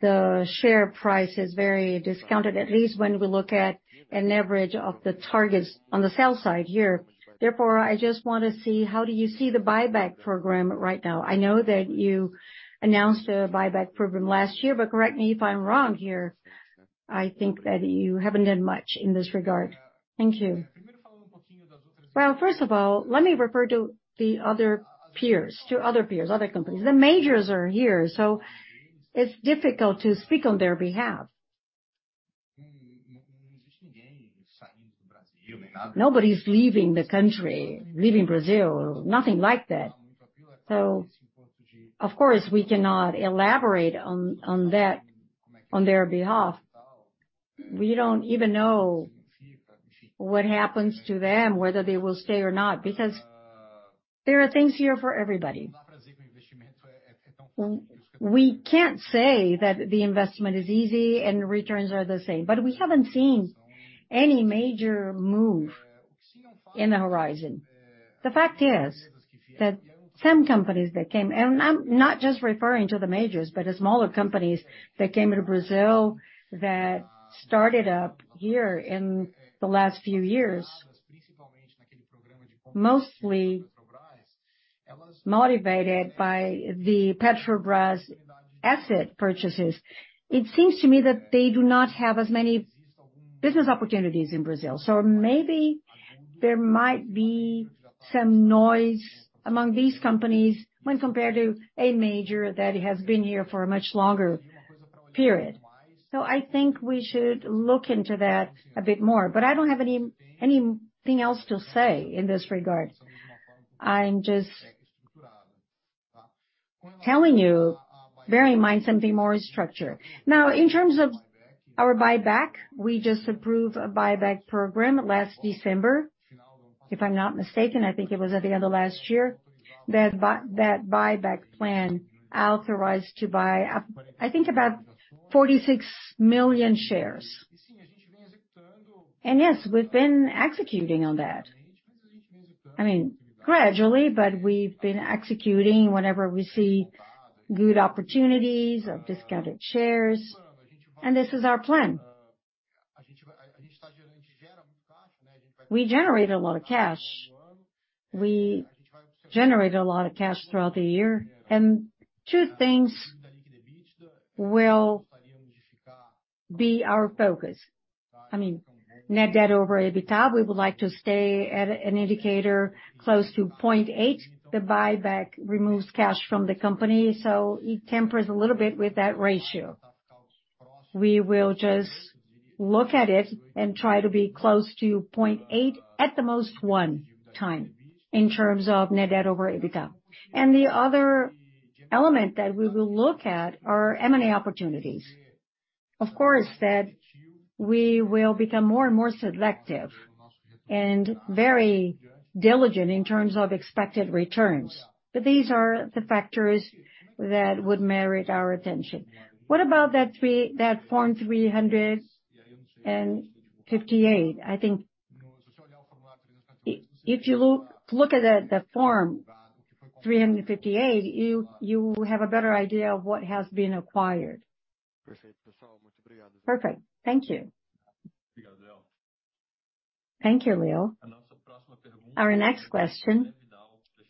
S7: The share price is very discounted, at least when we look at an average of the targets on the sell side here. I just wanna see how do you see the buyback program right now. I know that you announced a buyback program last year, correct me if I'm wrong here, I think that you haven't done much in this regard. Thank you.
S2: Well, first of all, let me refer to the other peers, other companies. The majors are here, it's difficult to speak on their behalf. Nobody's leaving the country, leaving Brazil. Nothing like that. Of course, we cannot elaborate on that, on their behalf. We don't even know what happens to them, whether they will stay or not, because there are things here for everybody. We can't say that the investment is easy and returns are the same, but we haven't seen any major move in the horizon. The fact is that some companies that came, and I'm not just referring to the majors, but the smaller companies that came into Brazil that started up here in the last few years. Mostly motivated by the Petrobras asset purchases. It seems to me that they do not have as many business opportunities in Brazil, so maybe there might be some noise among these companies when compared to a major that has been here for a much longer period. I think we should look into that a bit more, but I don't have anything else to say in this regard. I'm just telling you, bear in mind something more structured. In terms of our buyback, we just approved a buyback program last December, if I'm not mistaken. I think it was at the end of last year. That buyback plan authorized to buy up, I think, about 46 million shares. Yes, we've been executing on that. I mean, gradually, but we've been executing whenever we see good opportunities of discounted shares, and this is our plan. We generate a lot of cash. We generate a lot of cash throughout the year, and two things will be our focus. I mean, net debt over EBITDA, we would like to stay at an indicator close to 0.8. The buyback removes cash from the company, so it tempers a little bit with that ratio. We will just look at it and try to be close to 0.8, at the most 1 time in terms of net debt over EBITDA. The other element that we will look at are M&A opportunities. Of course, that we will become more and more selective and very diligent in terms of expected returns. These are the factors that would merit our attention.
S7: What about that Form 358?
S2: I think if you look at the Form 358, you will have a better idea of what has been acquired. Perfect. Thank you.
S7: Thank you, Leo.
S1: Our next question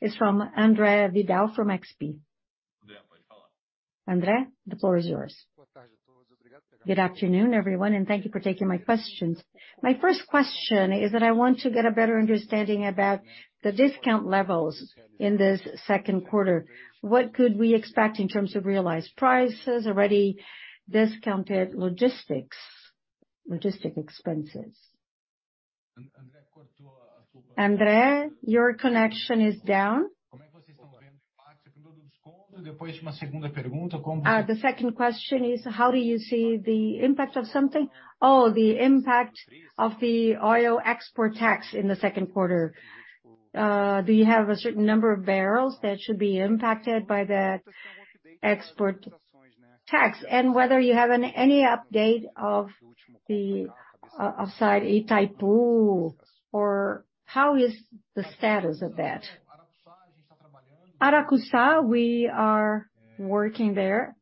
S1: is from André Vidal from XP. André, the floor is yours. Good afternoon, everyone, and thank you for taking my questions.
S8: My first question is that I want to get a better understanding about the discount levels in this second quarter. What could we expect in terms of realized prices, already discounted logistics, logistic expenses? André Vidal, your connection is down. The second question is, how do you see the impact of something? Oh, the impact of the oil export tax in the second quarter. Do you have a certain number of barrels that should be impacted by that export tax? And whether you have any update of the outside Itaipu or how is the status of that?
S2: Aracuca, we are working there.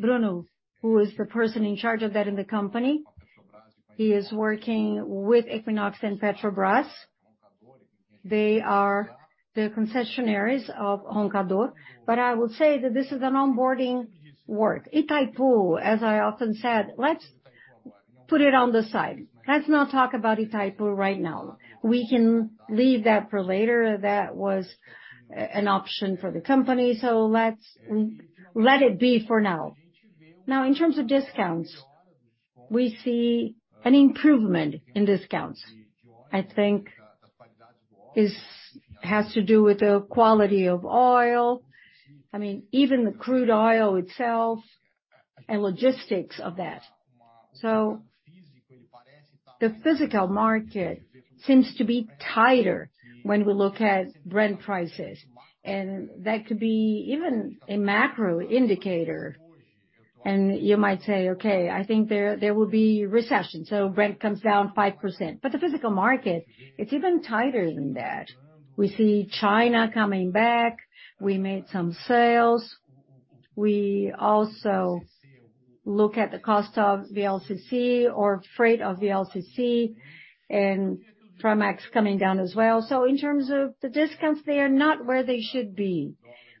S2: Bruno, who is the person in charge of that in the company, he is working with Equinor and Petrobras. They are the concessionaires of Roncador. I will say that this is an onboarding work. Itaipu, as I often said, let's put it on the side. Let's not talk about Itaipu right now. We can leave that for later. That was an option for the company, let's let it be for now. In terms of discounts, we see an improvement in discounts. I think this has to do with the quality of oil. I mean, even the crude oil itself and logistics of that. The physical market seems to be tighter when we look at Brent prices, and that could be even a macro indicator. You might say, "Okay, I think there will be recession," Brent comes down 5%. The physical market, it's even tighter than that. We see China coming back. We made some sales. We also look at the cost of VLCC or freight of VLCC and Aframax coming down as well. In terms of the discounts, they are not where they should be,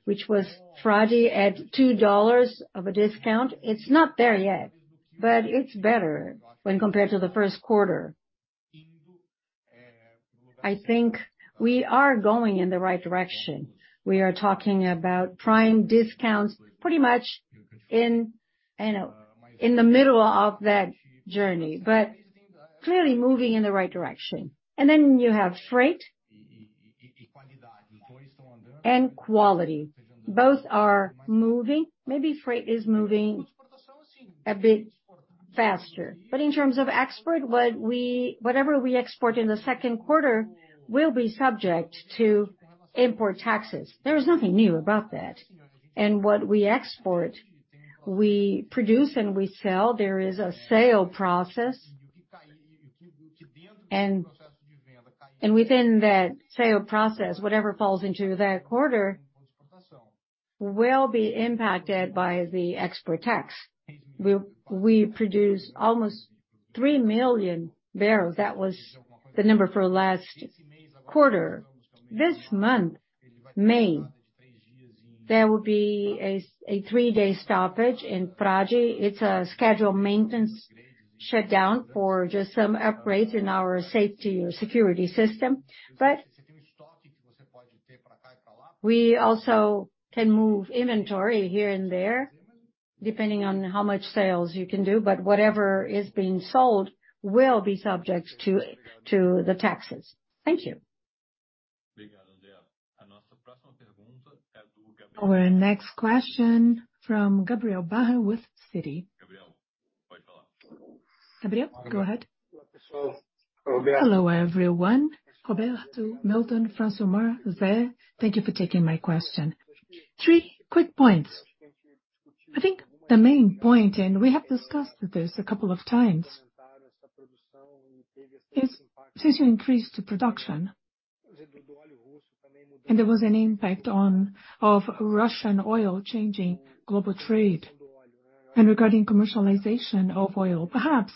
S2: which was Frade at $2 of a discount. It's not there yet, but it's better when compared to the first quarter. I think we are going in the right direction. We are talking about prime discounts pretty much in, you know, in the middle of that journey, but clearly moving in the right direction. Then you have freight and quality. Both are moving. Maybe freight is moving a bit faster. In terms of export, whatever we export in the second quarter will be subject to import taxes. There is nothing new about that. What we export, we produce and we sell. There is a sale process. Within that sale process, whatever falls into that quarter will be impacted by the export tax. We produce almost 3 million barrels. That was the number for last quarter. This month, May, there will be a 3-day stoppage in Frade. It's a scheduled maintenance shutdown for just some upgrades in our safety or security system. We also can move inventory here and there, depending on how much sales you can do, but whatever is being sold will be subject to the taxes. Thank you.
S1: Our next question from Gabriel Barra with Citi. Gabriel, go ahead.
S9: Hello, everyone. Roberto, Milton, Francimar, Ze, thank you for taking my question. Three quick points. I think the main point, and we have discussed this a couple of times, is since you increased production and there was an impact of Russian oil changing global trade and regarding commercialization of oil, perhaps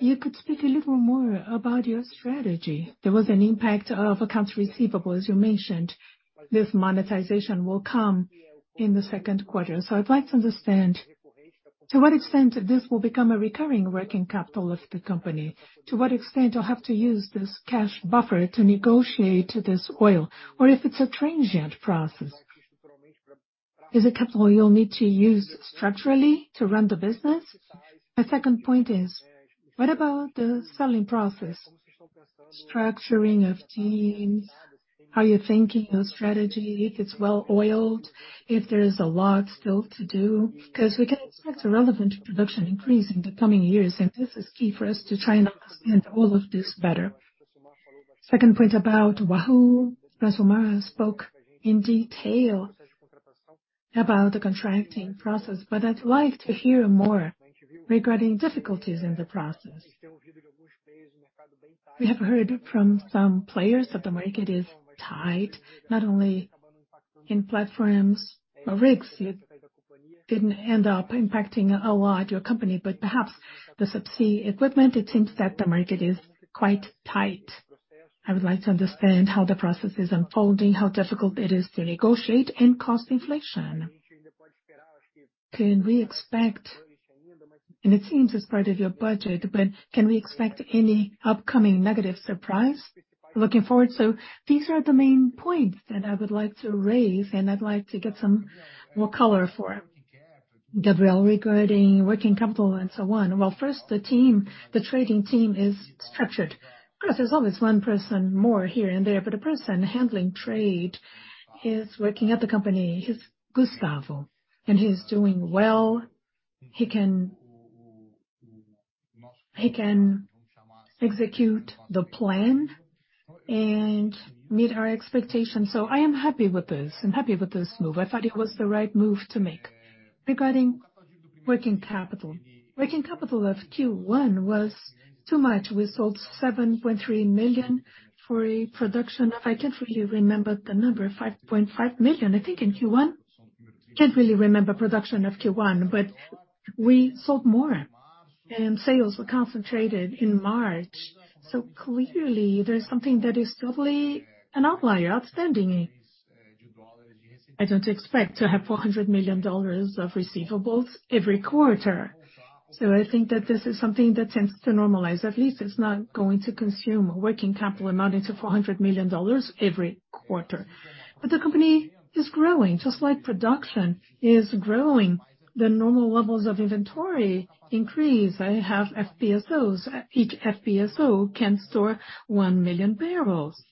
S9: you could speak a little more about your strategy. There was an impact of accounts receivable, as you mentioned. This monetization will come in the second quarter. I'd like to understand to what extent this will become a recurring working capital of the company, to what extent you'll have to use this cash buffer to negotiate this oil, or if it's a transient process. Is it capital you'll need to use structurally to run the business? My second point is: What about the selling process, structuring of teams? How you're thinking your strategy, if it's well-oiled, if there is a lot still to do? We can expect a relevant production increase in the coming years, and this is key for us to try and understand all of this better. Second point about Wahoo. Francimar spoke in detail about the contracting process, but I'd like to hear more regarding difficulties in the process. We have heard from some players that the market is tight. In platforms or rigs, it didn't end up impacting a lot your company, but perhaps the subsea equipment, it seems that the market is quite tight. I would like to understand how the process is unfolding, how difficult it is to negotiate and cost inflation. Can we expect? It seems as part of your budget, but can we expect any upcoming negative surprise looking forward? These are the main points that I would like to raise, and I'd like to get some more color for it.
S2: Gabriel, regarding working capital and so on. Well, first, the team, the trading team is structured. Of course, there's always one person more here and there, but the person handling trade is working at the company. He's Gustavo, and he's doing well. He can execute the plan and meet our expectations. I am happy with this. I'm happy with this move. I thought it was the right move to make. Regarding working capital. Working capital of Q1 was too much. We sold $7.3 million for a production of, I can't really remember the number, $5.5 million, I think, in Q1. Can't really remember production of Q1, but we sold more, and sales were concentrated in March. Clearly, there's something that is totally an outlier, outstanding. I don't expect to have $400 million of receivables every quarter. I think that this is something that tends to normalize. At least it's not going to consume a working capital amounting to $400 million every quarter. The company is growing. Just like production is growing, the normal levels of inventory increase. I have FPSOs. Each FPSO can store 1 million barrels.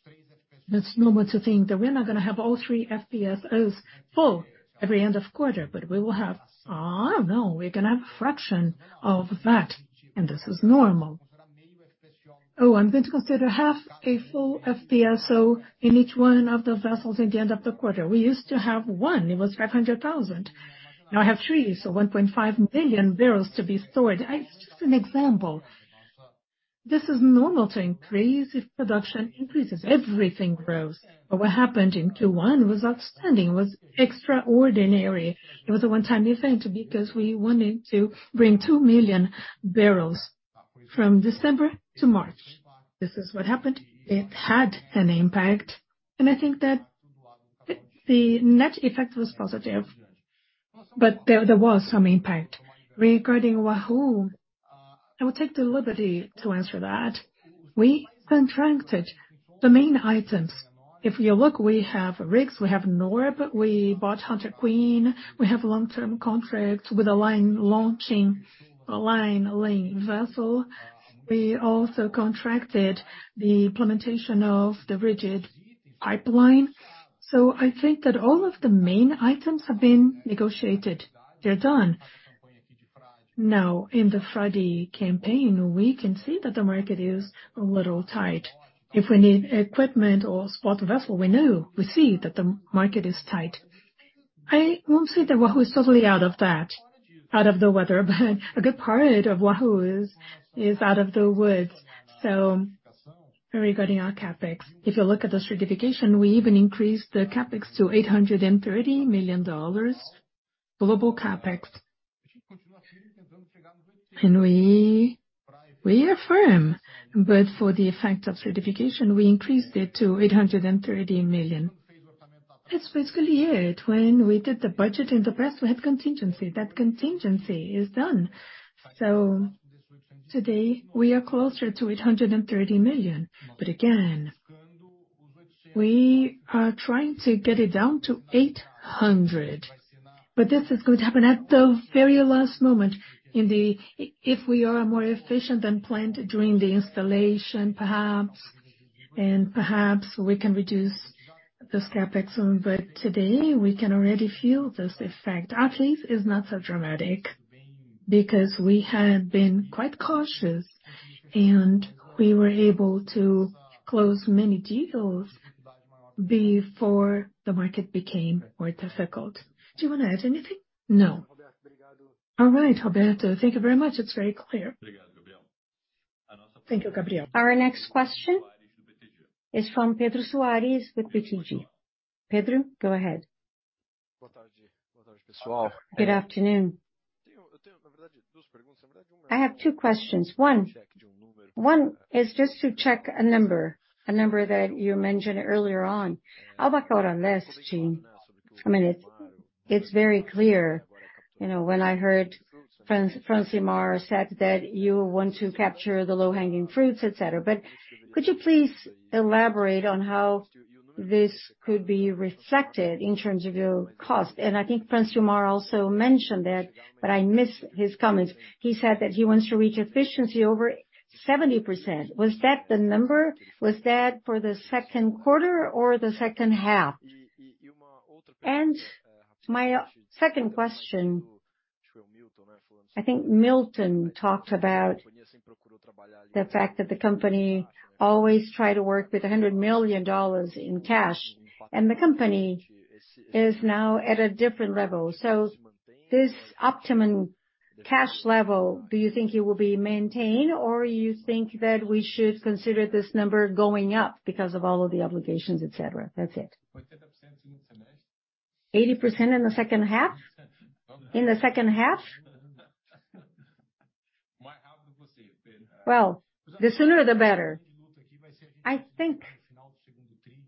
S2: It's normal to think that we're not gonna have all 3 FPSOs full every end of quarter, but we will have, I don't know, we're gonna have a fraction of that, and this is normal. I'm going to consider half a full FPSO in each one of the vessels at the end of the quarter. We used to have 1, it was 500,000. Now I have 3, so 1.5 billion barrels to be stored. It's just an example. This is normal to increase if production increases. Everything grows. What happened in Q1 was outstanding. It was extraordinary. It was a one-time event because we wanted to bring 2 million barrels from December to March. This is what happened. It had an impact, and I think that the net effect was positive. There, there was some impact. Regarding Wahoo, I will take the liberty to answer that. We subcontracted the main items. If you look, we have rigs, we have Norbit, we bought Hunter Queen, we have long-term contracts with Allseas launching, Allseas laying vessel. We also contracted the implementation of the rigid pipeline. I think that all of the main items have been negotiated. They're done. Now, in the Frade campaign, we can see that the market is a little tight. If we need equipment or spot vessel, we know, we see that the market is tight. I won't say that Wahoo is totally out of that, out of the weather, but a good part of Wahoo is out of the woods. Regarding our CapEx, if you look at the certification, we even increased the CapEx to $830 million global CapEx. We affirm, but for the effect of certification, we increased it to $830 million. That's basically it. When we did the budget in the past, we had contingency. That contingency is done. Today, we are closer to $830 million. Again, we are trying to get it down to $800 million. This is going to happen at the very last moment in the if we are more efficient than planned during the installation, perhaps, and perhaps we can reduce this CapEx. Today, we can already feel this effect. At least it's not so dramatic because we have been quite cautious, we were able to close many deals before the market became more difficult. Do you wanna add anything?
S3: No.
S9: All right, Roberto, thank you very much. It's very clear.
S1: Thank you, Gabriel. Our next question is from Pedro Soares with BTG.
S10: Pedro, go ahead. Good afternoon. I have two questions. One is just to check a number that you mentioned earlier on. I'll back out on this, Gene. I mean, it's very clear, you know, when I heard Francimar said that you want to capture the low-hanging fruits, et cetera. Could you please elaborate on how this could be reflected in terms of your cost? I think Francimar also mentioned that, but I missed his comments. He said that he wants to reach efficiency over 70%. Was that the number? Was that for the second quarter or the second half? My second question, I think Milton talked about the fact that the company always try to work with $100 million in cash, and the company is now at a different level. This optimumCash level, do you think it will be maintained or you think that we should consider this number going up because of all of the obligations, et cetera? That's it.
S2: 80% in the second half.
S10: 80% in the second half?
S2: In the second half. Well, the sooner the better. I think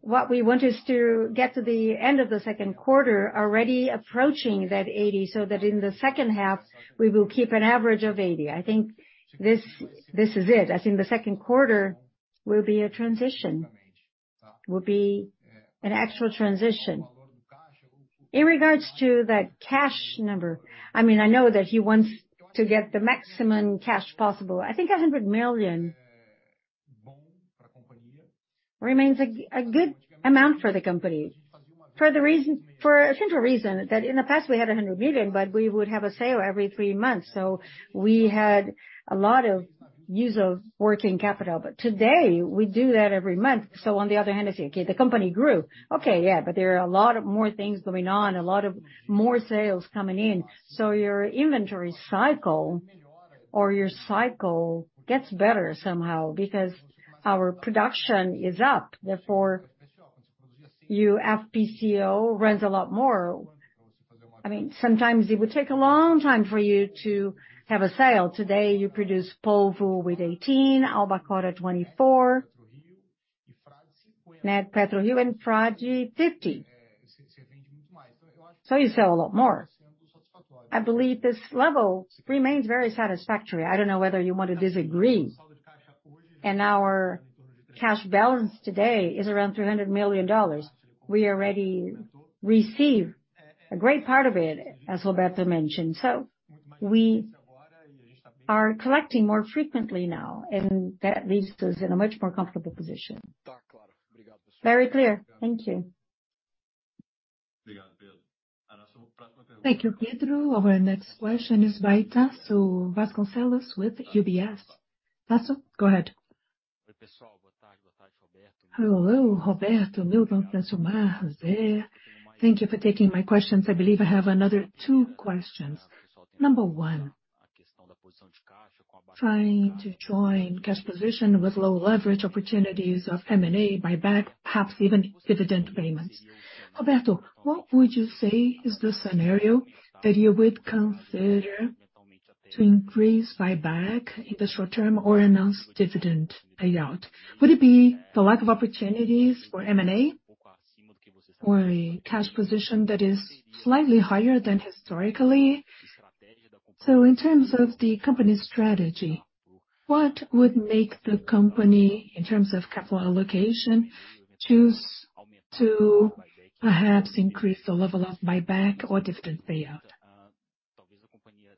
S2: what we want is to get to the end of the second quarter already approaching that 80, so that in the second half, we will keep an average of 80. I think this is it. I think the second quarter will be a transition, will be an actual transition. In regards to that cash number, I mean, I know that he wants to get the maximum cash possible. I think $100 million remains a good amount for the company for a central reason that in the past, we had $100 million, but we would have a sale every 3 months, so we had a lot of use of working capital. Today, we do that every month.
S11: On the other hand, I say, "Okay, the company grew." There are a lot of more things going on, a lot of more sales coming in. Your inventory cycle or your cycle gets better somehow because our production is up, therefore, you FPSO runs a lot more. I mean, sometimes it would take a long time for you to have a sale. Today, you produce Polvo with 18, Albacora 24. Net PetroRio in Frade, 50. You sell a lot more. I believe this level remains very satisfactory. I don't know whether you want to disagree. Our cash balance today is around $300 million. We already receive a great part of it, as Roberto mentioned. We are collecting more frequently now, and that leaves us in a much more comfortable position. Very clear. Thank you.
S4: Thank you, Pedro. Our next question is by Tasso Vasconcellos with UBS. Tasso, go ahead.
S10: Hello, Roberto, Milton, Tasso Vasconcellos there. Thank you for taking my questions. I believe I have another two questions. Number one, trying to join cash position with low leverage opportunities of M&A buyback, perhaps even dividend payments. Roberto, what would you say is the scenario that you would consider to increase buyback in the short term or announce dividend payout? Would it be the lack of opportunities for M&A or a cash position that is slightly higher than historically? In terms of the company's strategy, what would make the company, in terms of capital allocation, choose to perhaps increase the level of buyback or dividend payout?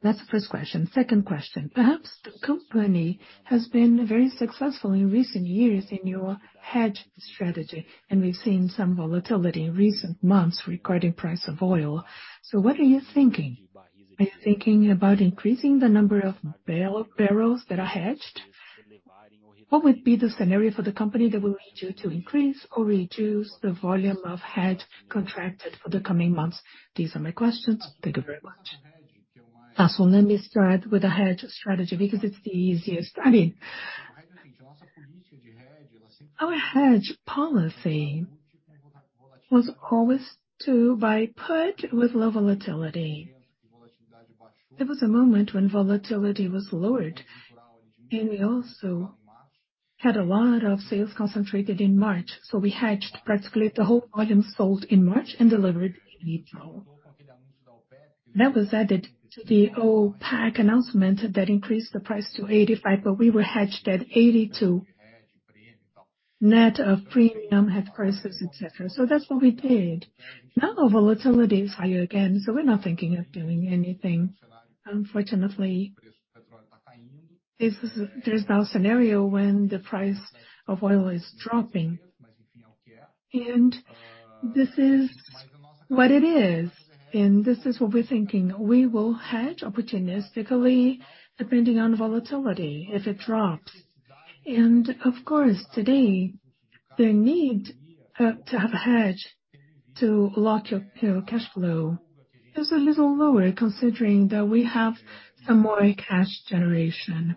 S10: That's the first question. Second question. Perhaps the company has been very successful in recent years in your hedge strategy, and we've seen some volatility in recent months regarding price of oil. What are you thinking? Are you thinking about increasing the number of barrels that are hedged? What would be the scenario for the company that will lead you to increase or reduce the volume of hedge contracted for the coming months?
S12: These are my questions. Thank you very much. Tasso, let me start with the hedge strategy because it's the easiest. I mean, our hedge policy was always to buy put with low volatility. There was a moment when volatility was lowered, and we also had a lot of sales concentrated in March, so we hedged practically the whole volume sold in March and delivered in April. That was added to the OPEC announcement that increased the price to $85, but we were hedged at $82. Net of premium, hedge prices, et cetera. That's what we did. Now, volatility is higher again, so we're not thinking of doing anything.
S2: Unfortunately, there's no scenario when the price of oil is dropping. This is what it is, and this is what we're thinking. We will hedge opportunistically depending on volatility, if it drops. Of course, today, the need to have a hedge to lock your cash flow is a little lower considering that we have some more cash generation.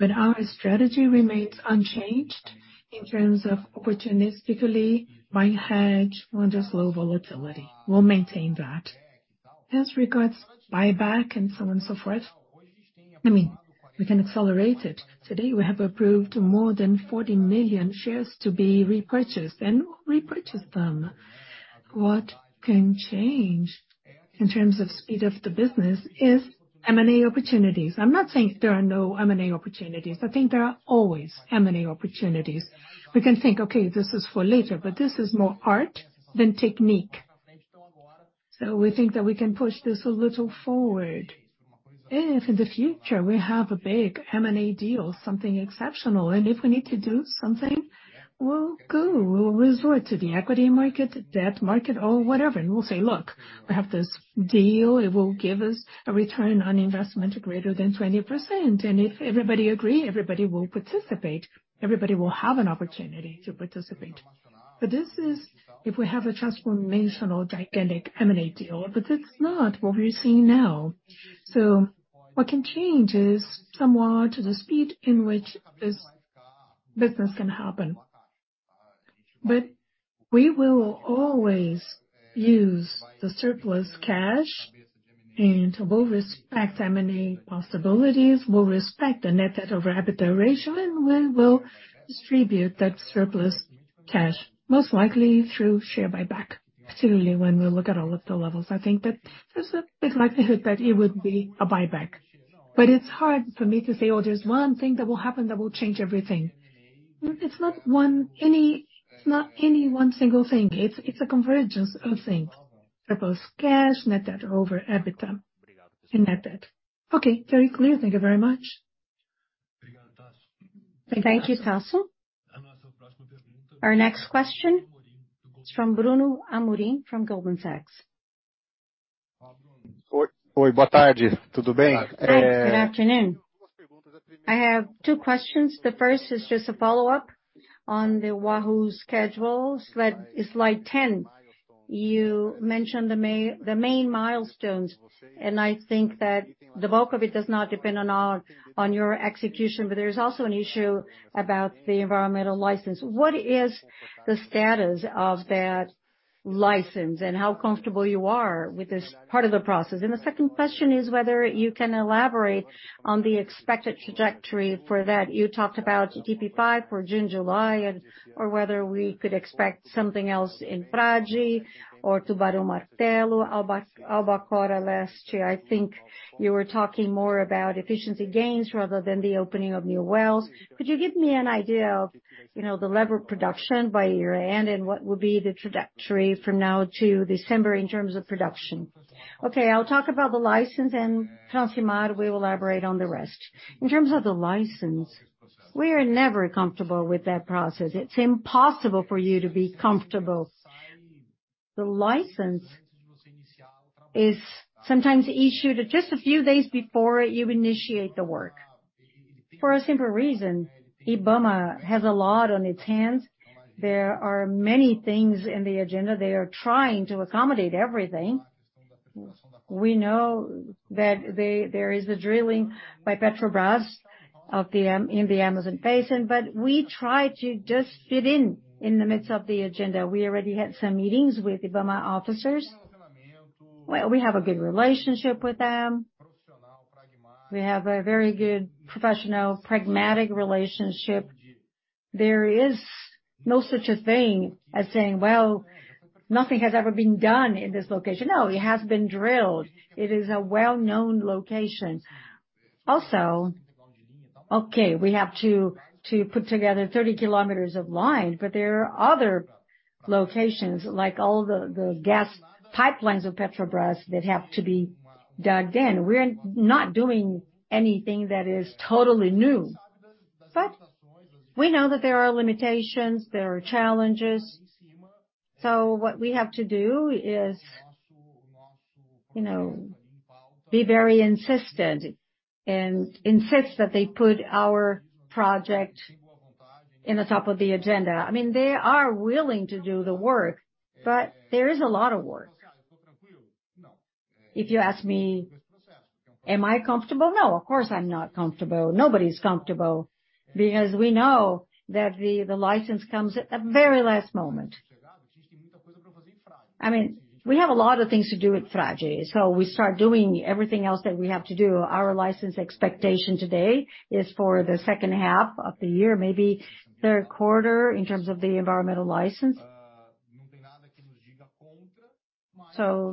S2: Our strategy remains unchanged in terms of opportunistically buying hedge when there's low volatility. We'll maintain that. As regards buyback and so on and so forth, I mean, we can accelerate it. Today, we have approved more than 40 million shares to be repurchased and repurchased them. What can change in terms of speed of the business is M&A opportunities. I'm not saying there are no M&A opportunities. I think there are always M&A opportunities. We can think, "Okay, this is for later," but this is more art than technique. We think that we can push this a little forward. If in the future we have a big M&A deal, something exceptional, and if we need to do something, we'll go. We'll resort to the equity market, debt market, or whatever, and we'll say, "Look, we have this deal. It will give us a return on investment greater than 20%." If everybody agree, everybody will participate. Everybody will have an opportunity to participate. This is if we have a transformational, gigantic M&A deal, but it's not what we're seeing now. What can change is somewhat the speed in which this- Business can happen. We will always use the surplus cash, and we'll respect M&A possibilities, we'll respect the net debt over EBITDA ratio, and we will distribute that surplus cash, most likely through share buyback. Certainly, when we look at all of the levels, I think that there's a big likelihood that it would be a buyback. It's hard for me to say, "Oh, there's one thing that will happen that will change everything." It's not any one single thing. It's a convergence of things. Surplus cash, net debt over EBITDA, and net debt.
S12: Okay, very clear. Thank you very much.
S1: Thank you, Tasso. Our next question is from Bruno Amorim, from Goldman Sachs.
S10: Good afternoon. I have two questions. The first is just a follow-up on the Wahoo schedules. Slide 10, you mentioned the main milestones. I think that the bulk of it does not depend on your execution, but there's also an issue about the environmental license. What is the status of that license, and how comfortable you are with this part of the process? The second question is whether you can elaborate on the expected trajectory for that. You talked about DP5 for June, July, or whether we could expect something else in Frade or Tubarão Martelo, Albacora Leste. I think you were talking more about efficiency gains rather than the opening of new wells. Could you give me an idea of, you know, the level of production by year-end, and what will be the trajectory from now to December in terms of production?
S2: Okay, I'll talk about the license, and Francimar will elaborate on the rest. In terms of the license, we are never comfortable with that process. It's impossible for you to be comfortable. The license is sometimes issued just a few days before you initiate the work. For a simple reason, IBAMA has a lot on its hands. There are many things in the agenda. They are trying to accommodate everything. We know that there is a drilling by Petrobras of the in the Amazon Basin, but we try to just fit in the midst of the agenda. We already had some meetings with IBAMA officers. Well, we have a good relationship with them. We have a very good professional, pragmatic relationship. There is no such a thing as saying, "Well, nothing has ever been done in this location." No, it has been drilled. It is a well-known location. Also, okay, we have to put together 30 kilometers of line, but there are other locations like all the gas pipelines of Petrobras that have to be dug in. We're not doing anything that is totally new. We know that there are limitations, there are challenges. What we have to do is, you know, be very insistent and insist that they put our project in the top of the agenda. I mean, they are willing to do the work, but there is a lot of work. If you ask me, am I comfortable? No, of course, I'm not comfortable. Nobody's comfortable because we know that the license comes at the very last moment. I mean, we have a lot of things to do with Frade, so we start doing everything else that we have to do. Our license expectation today is for the second half of the year, maybe third quarter in terms of the environmental license.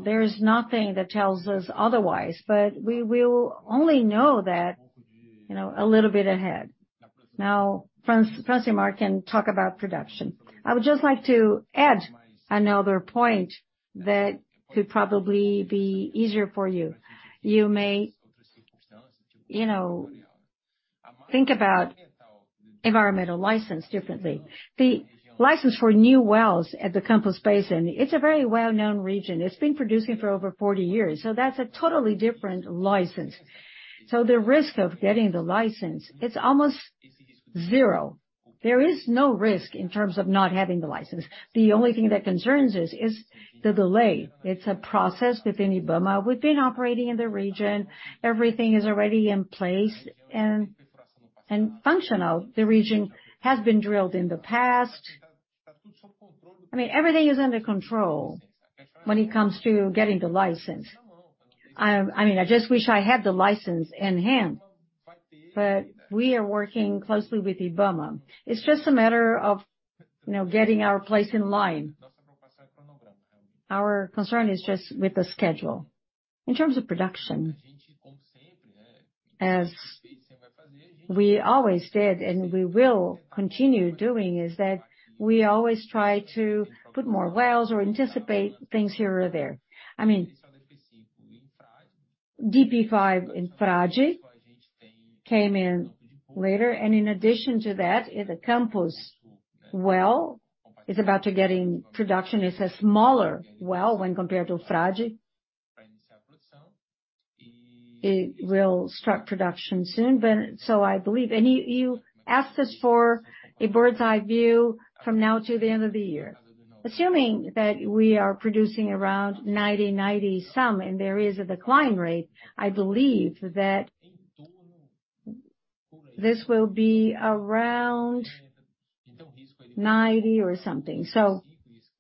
S2: There is nothing that tells us otherwise, but we will only know that, you know, a little bit ahead. Francimar can talk about production.
S3: I would just like to add another point that could probably be easier for you. You may, you know, think about environmental license differently. The license for new wells at the Campos Basin, it's a very well-known region. It's been producing for over 40 years, so that's a totally different license. The risk of getting the license, it's almost zero. There is no risk in terms of not having the license. The only thing that concerns us is the delay. It's a process within IBAMA. We've been operating in the region. Everything is already in place and functional. The region has been drilled in the past. I mean, everything is under control when it comes to getting the license. I mean, I just wish I had the license in hand. We are working closely with IBAMA. It's just a matter of, you know, getting our place in line. Our concern is just with the schedule. In terms of production, as we always did, and we will continue doing, is that we always try to put more wells or anticipate things here or there. I mean, DP5 in Frade came in later. In addition to that, the Campos well is about to get in production. It's a smaller well when compared to Frade. It will start production soon. I believe... You, you asked us for a bird's-eye view from now to the end of the year. Assuming that we are producing around 90 some, and there is a decline rate, I believe that this will be around 90 or something.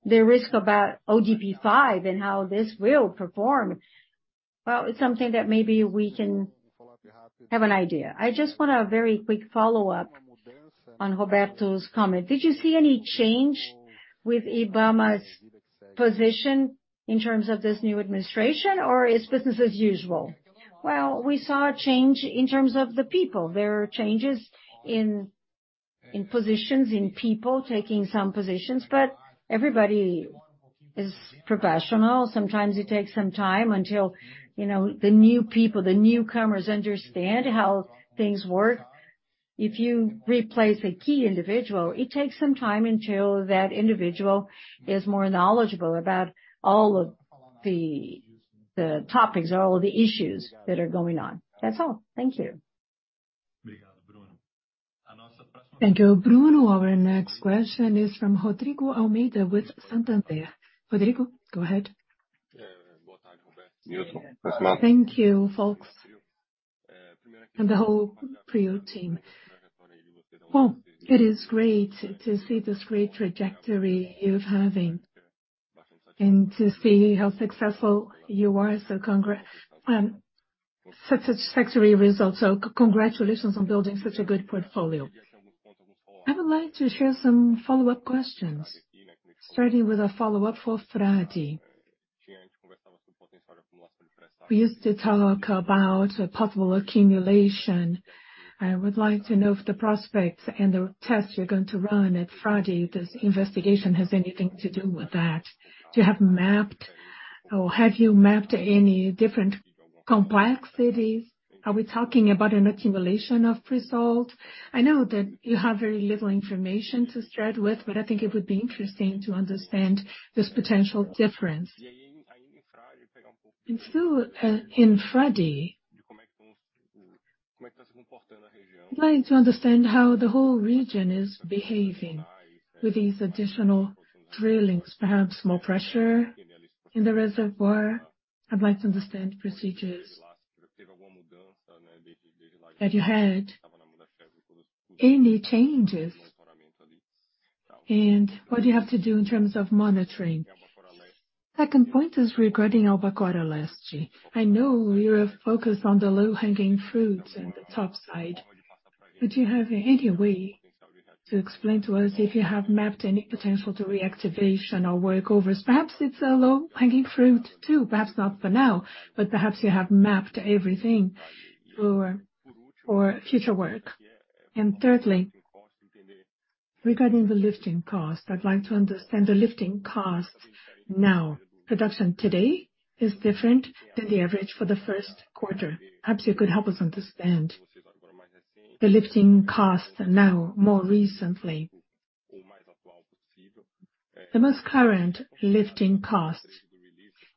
S3: The risk about OGP-5 and how this will perform, well, it's something that maybe we can have an idea.
S13: I just want a very quick follow-up on Roberto's comment. Did you see any change with IBAMA's position in terms of this new administration, or is business as usual?
S3: We saw a change in terms of the people. There are changes in positions, in people taking some positions. Everybody is professional. Sometimes it takes some time until, you know, the new people, the newcomers understand how things work. If you replace a key individual, it takes some time until that individual is more knowledgeable about all of the topics or all of the issues that are going on.
S13: That's all. Thank you.
S3: Thank you, Bruno. Our next question is from Rodrigo Almeida with Santander. Rodrigo, go ahead.
S10: Thank you, folks, the whole Prio team. Well, it is great to see this great trajectory you're having and to see how successful you are. Such a satisfactory result. Congratulations on building such a good portfolio. I would like to share some follow-up questions, starting with a follow-up for Frade. We used to talk about a possible accumulation. I would like to know if the prospects and the tests you're going to run at Frade, if this investigation has anything to do with that. Have you mapped any different complexities? Are we talking about an accumulation of result? I know that you have very little information to start with, I think it would be interesting to understand this potential difference. Still, in Frade, I'd like to understand how the whole region is behaving with these additional drillings. Perhaps more pressure in the reservoir. I'd like to understand procedures that you had, any changes, and what you have to do in terms of monitoring. Second point is regarding Albacora Leste. I know you are focused on the low-hanging fruits at the top side. Would you have any way to explain to us if you have mapped any potential to reactivation or workovers?
S14: Perhaps it's a low-hanging fruit too. Perhaps not for now, but perhaps you have mapped everything for future work. Thirdly, regarding the lifting cost, I'd like to understand the lifting cost now. Production today is different than the average for the first quarter. Perhaps you could help us understand the lifting cost now, more recently. The most current lifting cost.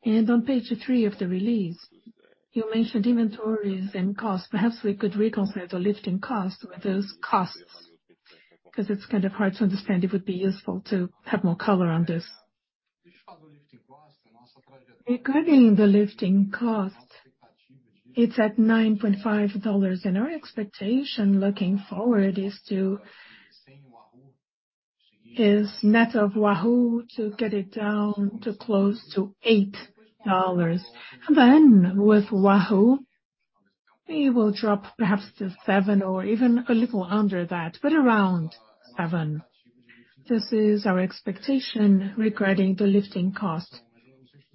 S14: On page 3 of the release, you mentioned inventories and costs.
S2: Perhaps we could reconcile the lifting cost with those costs, 'cause it's kind of hard to understand. It would be useful to have more color on this. Regarding the lifting cost, it's at $9.5. Our expectation looking forward is net of Wahoo to get it down to close to $8. With Wahoo, we will drop perhaps to 7 or even a little under that, but around 7.
S14: This is our expectation regarding the lifting cost.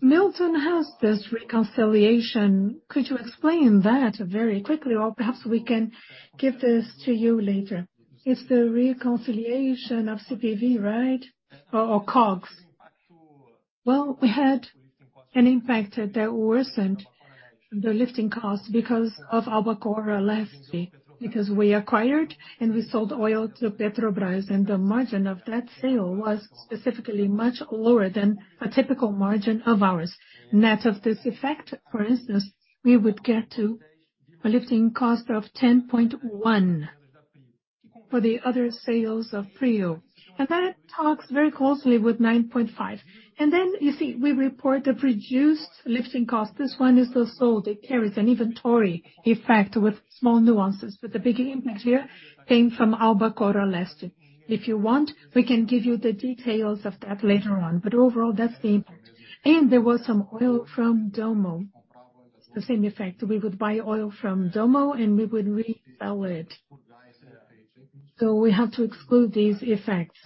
S14: Milton, how's this reconciliation? Could you explain that very quickly, or perhaps we can give this to you later. It's the reconciliation of CPV, right? COGS.
S2: Well, we had an impact that worsened the lifting cost because of Albacora Leste, because we acquired and we sold oil to Petrobras, and the margin of that sale was specifically much lower than a typical margin of ours. Net of this effect, for instance, we would get to a lifting cost of $10.1 for the other sales of Prio. That talks very closely with $9.5. Then you see, we report the reduced lifting cost. This one is the sold. It carries an inventory effect with small nuances. The big impact here came from Albacora Leste. If you want, we can give you the details of that later on, but overall, that's the impact. There was some oil from Dommo, the same effect. We would buy oil from Dommo, and we would resell it. We have to exclude these effects.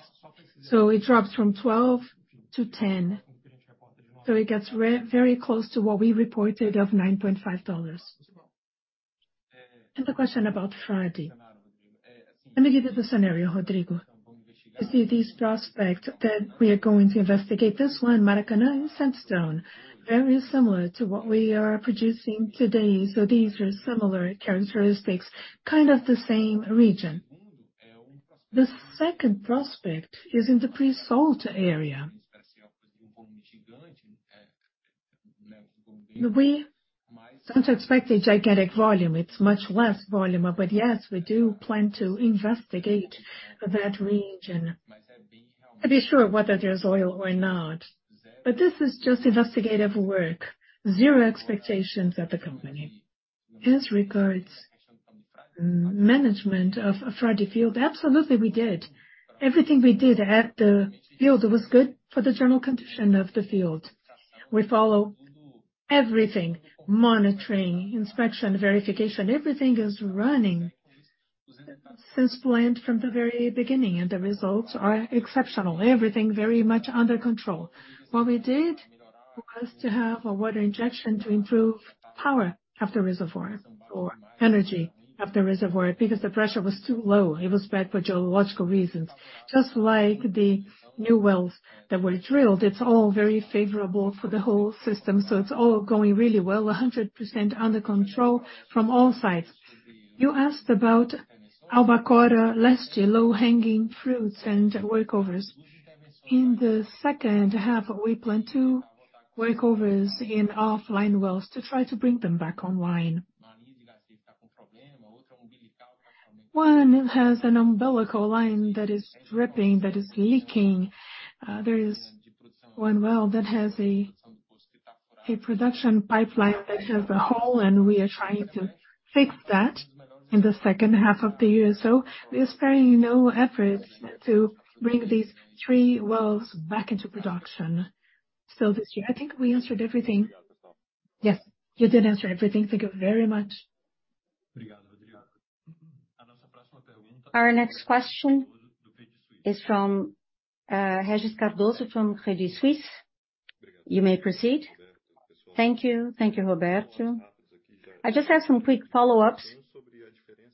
S2: It drops from $12-$10. It gets very close to what we reported of $9.5. The question about Frade. Let me give you the scenario, Rodrigo. You see this prospect that we are going to investigate. This one, Maracanã and Sandstone, very similar to what we are producing today. These are similar characteristics, kind of the same region. The second prospect is in the pre-salt area. Don't expect a gigantic volume. It's much less volume. Yes, we do plan to investigate that region to be sure whether there's oil or not. This is just investigative work. Zero expectations at the company. As regards management of Frade field, absolutely we did. Everything we did at the field was good for the general condition of the field. We follow everything: monitoring, inspection, verification. Everything is running since planned from the very beginning, and the results are exceptional. Everything very much under control. What we did was to have a water injection to improve power of the reservoir or energy of the reservoir because the pressure was too low. It was bad for geological reasons. Just like the new wells that were drilled, it's all very favorable for the whole system, so it's all going really well, 100% under control from all sides. You asked about Albacora Leste low-hanging fruits and workovers. In the second half, we plan two workovers in offline wells to try to bring them back online. One has an umbilical line that is dripping, that is leaking. There is one well that has a production pipeline that has a hole, and we are trying to fix that in the second half of the year. We are sparing no effort to bring these three wells back into production. This year. I think we answered everything.
S10: Yes. You did answer everything. Thank you very much.
S1: Our next question is from Regis Cardoso from Credit Suisse. You may proceed. Thank you. T
S10: hank you, Roberto. I just have some quick follow-ups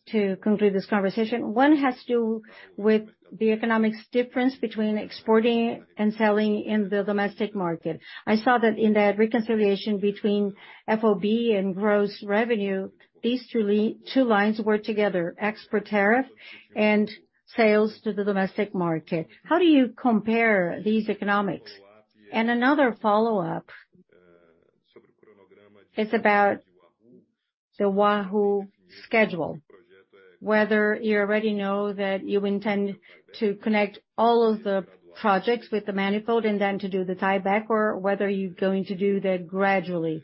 S10: to conclude this conversation. One has to do with the economics difference between exporting and selling in the domestic market. I saw that in that reconciliation between FOB and gross revenue, these two lines were together, export tariff and sales to the domestic market. How do you compare these economics? Another follow-up is about the Wahoo schedule, whether you already know that you intend to connect all of the projects with the manifold and then to do the tieback, or whether you're going to do that gradually.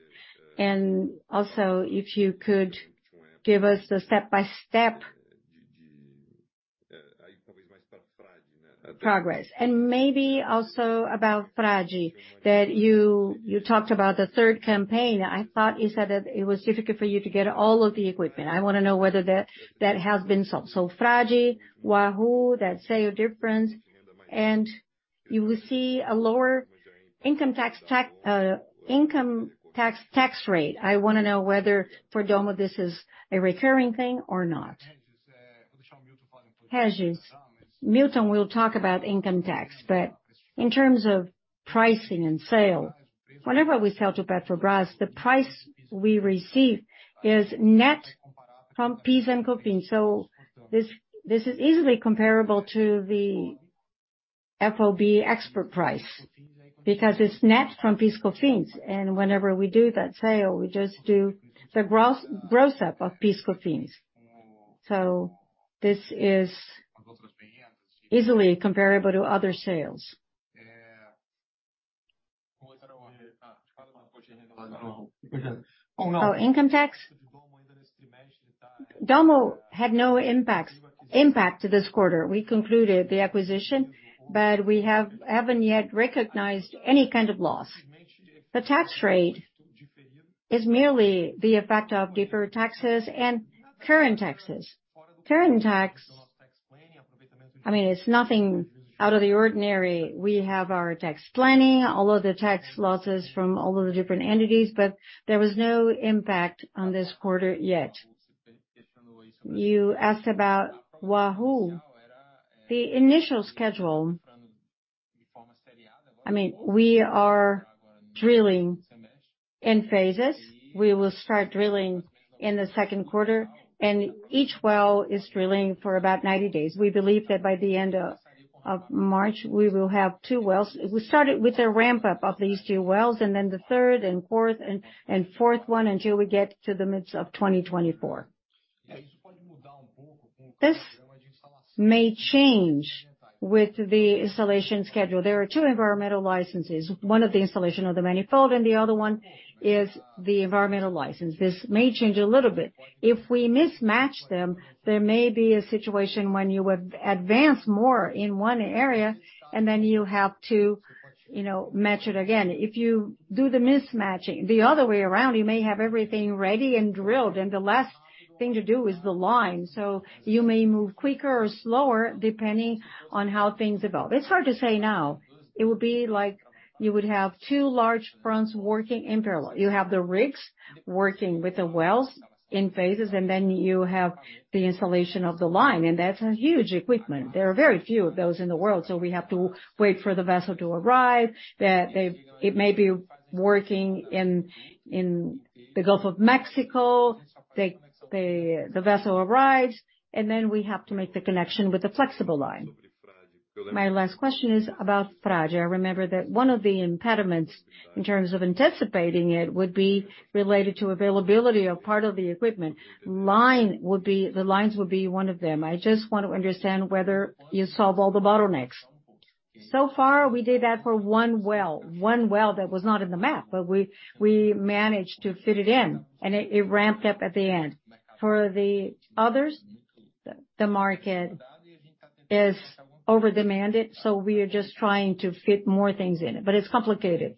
S10: Also, if you could give us the step-by-step progress. Maybe also about Frade, that you talked about the third campaign. I thought you said that it was difficult for you to get all of the equipment. I wanna know whether that has been solved. Frade, Wahoo, that sale difference. You will see a lower income tax rate. I wanna know whether for Dommo this is a recurring thing or not. Regis, Milton will talk about income tax, but in terms of pricing and sale, whenever we sell to Petrobras, the price we receive is net from PIS/Cofins. This is easily comparable to the FOB export price because it's net from PIS/Cofins. Whenever we do that sale, we just do the gross up of PIS/Cofins. This is easily comparable to other sales. Oh, income tax?
S2: Dommo had no impact to this quarter. We concluded the acquisition, but we haven't yet recognized any kind of loss. The tax rate is merely the effect of deferred taxes and current taxes. Current tax, I mean, it's nothing out of the ordinary. We have our tax planning, all of the tax losses from all of the different entities, there was no impact on this quarter yet. You asked about Wahoo. The initial schedule, I mean, we are drilling in phases. We will start drilling in the second quarter. Each well is drilling for about 90 days. We believe that by the end of March, we will have 2 wells. Then the third and fourth one until we get to the midst of 2024. This may change with the installation schedule. There are 2 environmental licenses: one of the installation of the manifold and the other one is the environmental license. This may change a little bit. If we mismatch them, there may be a situation when you would advance more in one area and then you have to, you know, match it again. If you do the mismatching the other way around, you may have everything ready and drilled, and the last thing to do is the line. You may move quicker or slower depending on how things evolve. It's hard to say now. It would be like you would have two large fronts working in parallel. You have the rigs working with the wells in phases, and then you have the installation of the line, and that's a huge equipment. There are very few of those in the world. We have to wait for the vessel to arrive, that it may be working in the Gulf of Mexico. The vessel arrives, and then we have to make the connection with the flexible line.
S10: My last question is about Frade. I remember that 1 of the impediments in terms of anticipating it would be related to availability of part of the equipment. The lines would be 1 of them. I just want to understand whether you solve all the bottlenecks.
S2: Far, we did that for 1 well, 1 well that was not in the map, but we managed to fit it in and it ramped up at the end. For the others, the market is over-demanded, so we are just trying to fit more things in it, but it's complicated.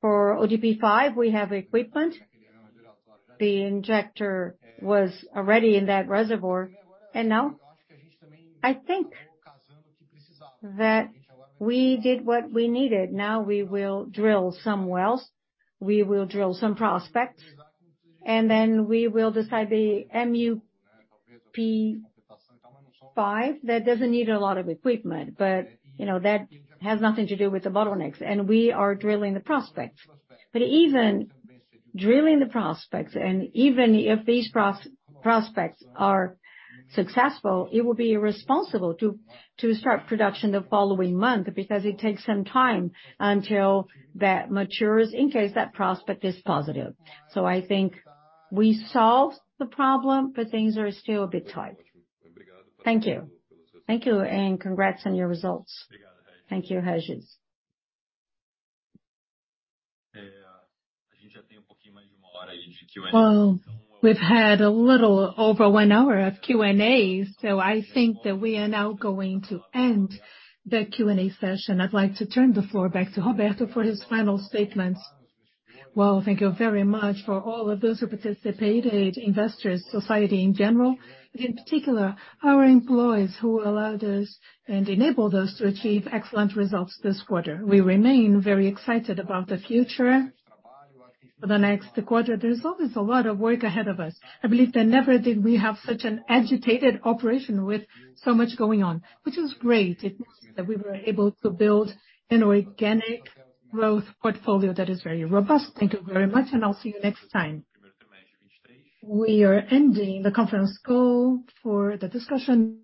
S2: For OGP-5 we have equipment. The injector was already in that reservoir. Now I think that we did what we needed. Now we will drill some wells, we will drill some prospects, and then we will decide the MUP5 that doesn't need a lot of equipment. You know, that has nothing to do with the bottlenecks. We are drilling the prospects. Even drilling the prospects and even if these prospects are successful, it will be irresponsible to start production the following month because it takes some time until that matures in case that prospect is positive. I think we solved the problem, but things are still a bit tight. Thank you.
S15: Thank you, and congrats on your results.
S1: Thank you, Regis. Well, we've had a little over one hour of Q&A, I think that we are now going to end the Q&A session. I'd like to turn the floor back to Roberto for his final statements.
S2: Well, thank you very much for all of those who participated, investors, society in general, but in particular our employees who allowed us and enabled us to achieve excellent results this quarter. We remain very excited about the future. For the next quarter, there's always a lot of work ahead of us. I believe that never did we have such an agitated operation with so much going on, which is great. It means that we were able to build an organic growth portfolio that is very robust. Thank you very much, and I'll see you next time. We are ending the conference call for the discussion.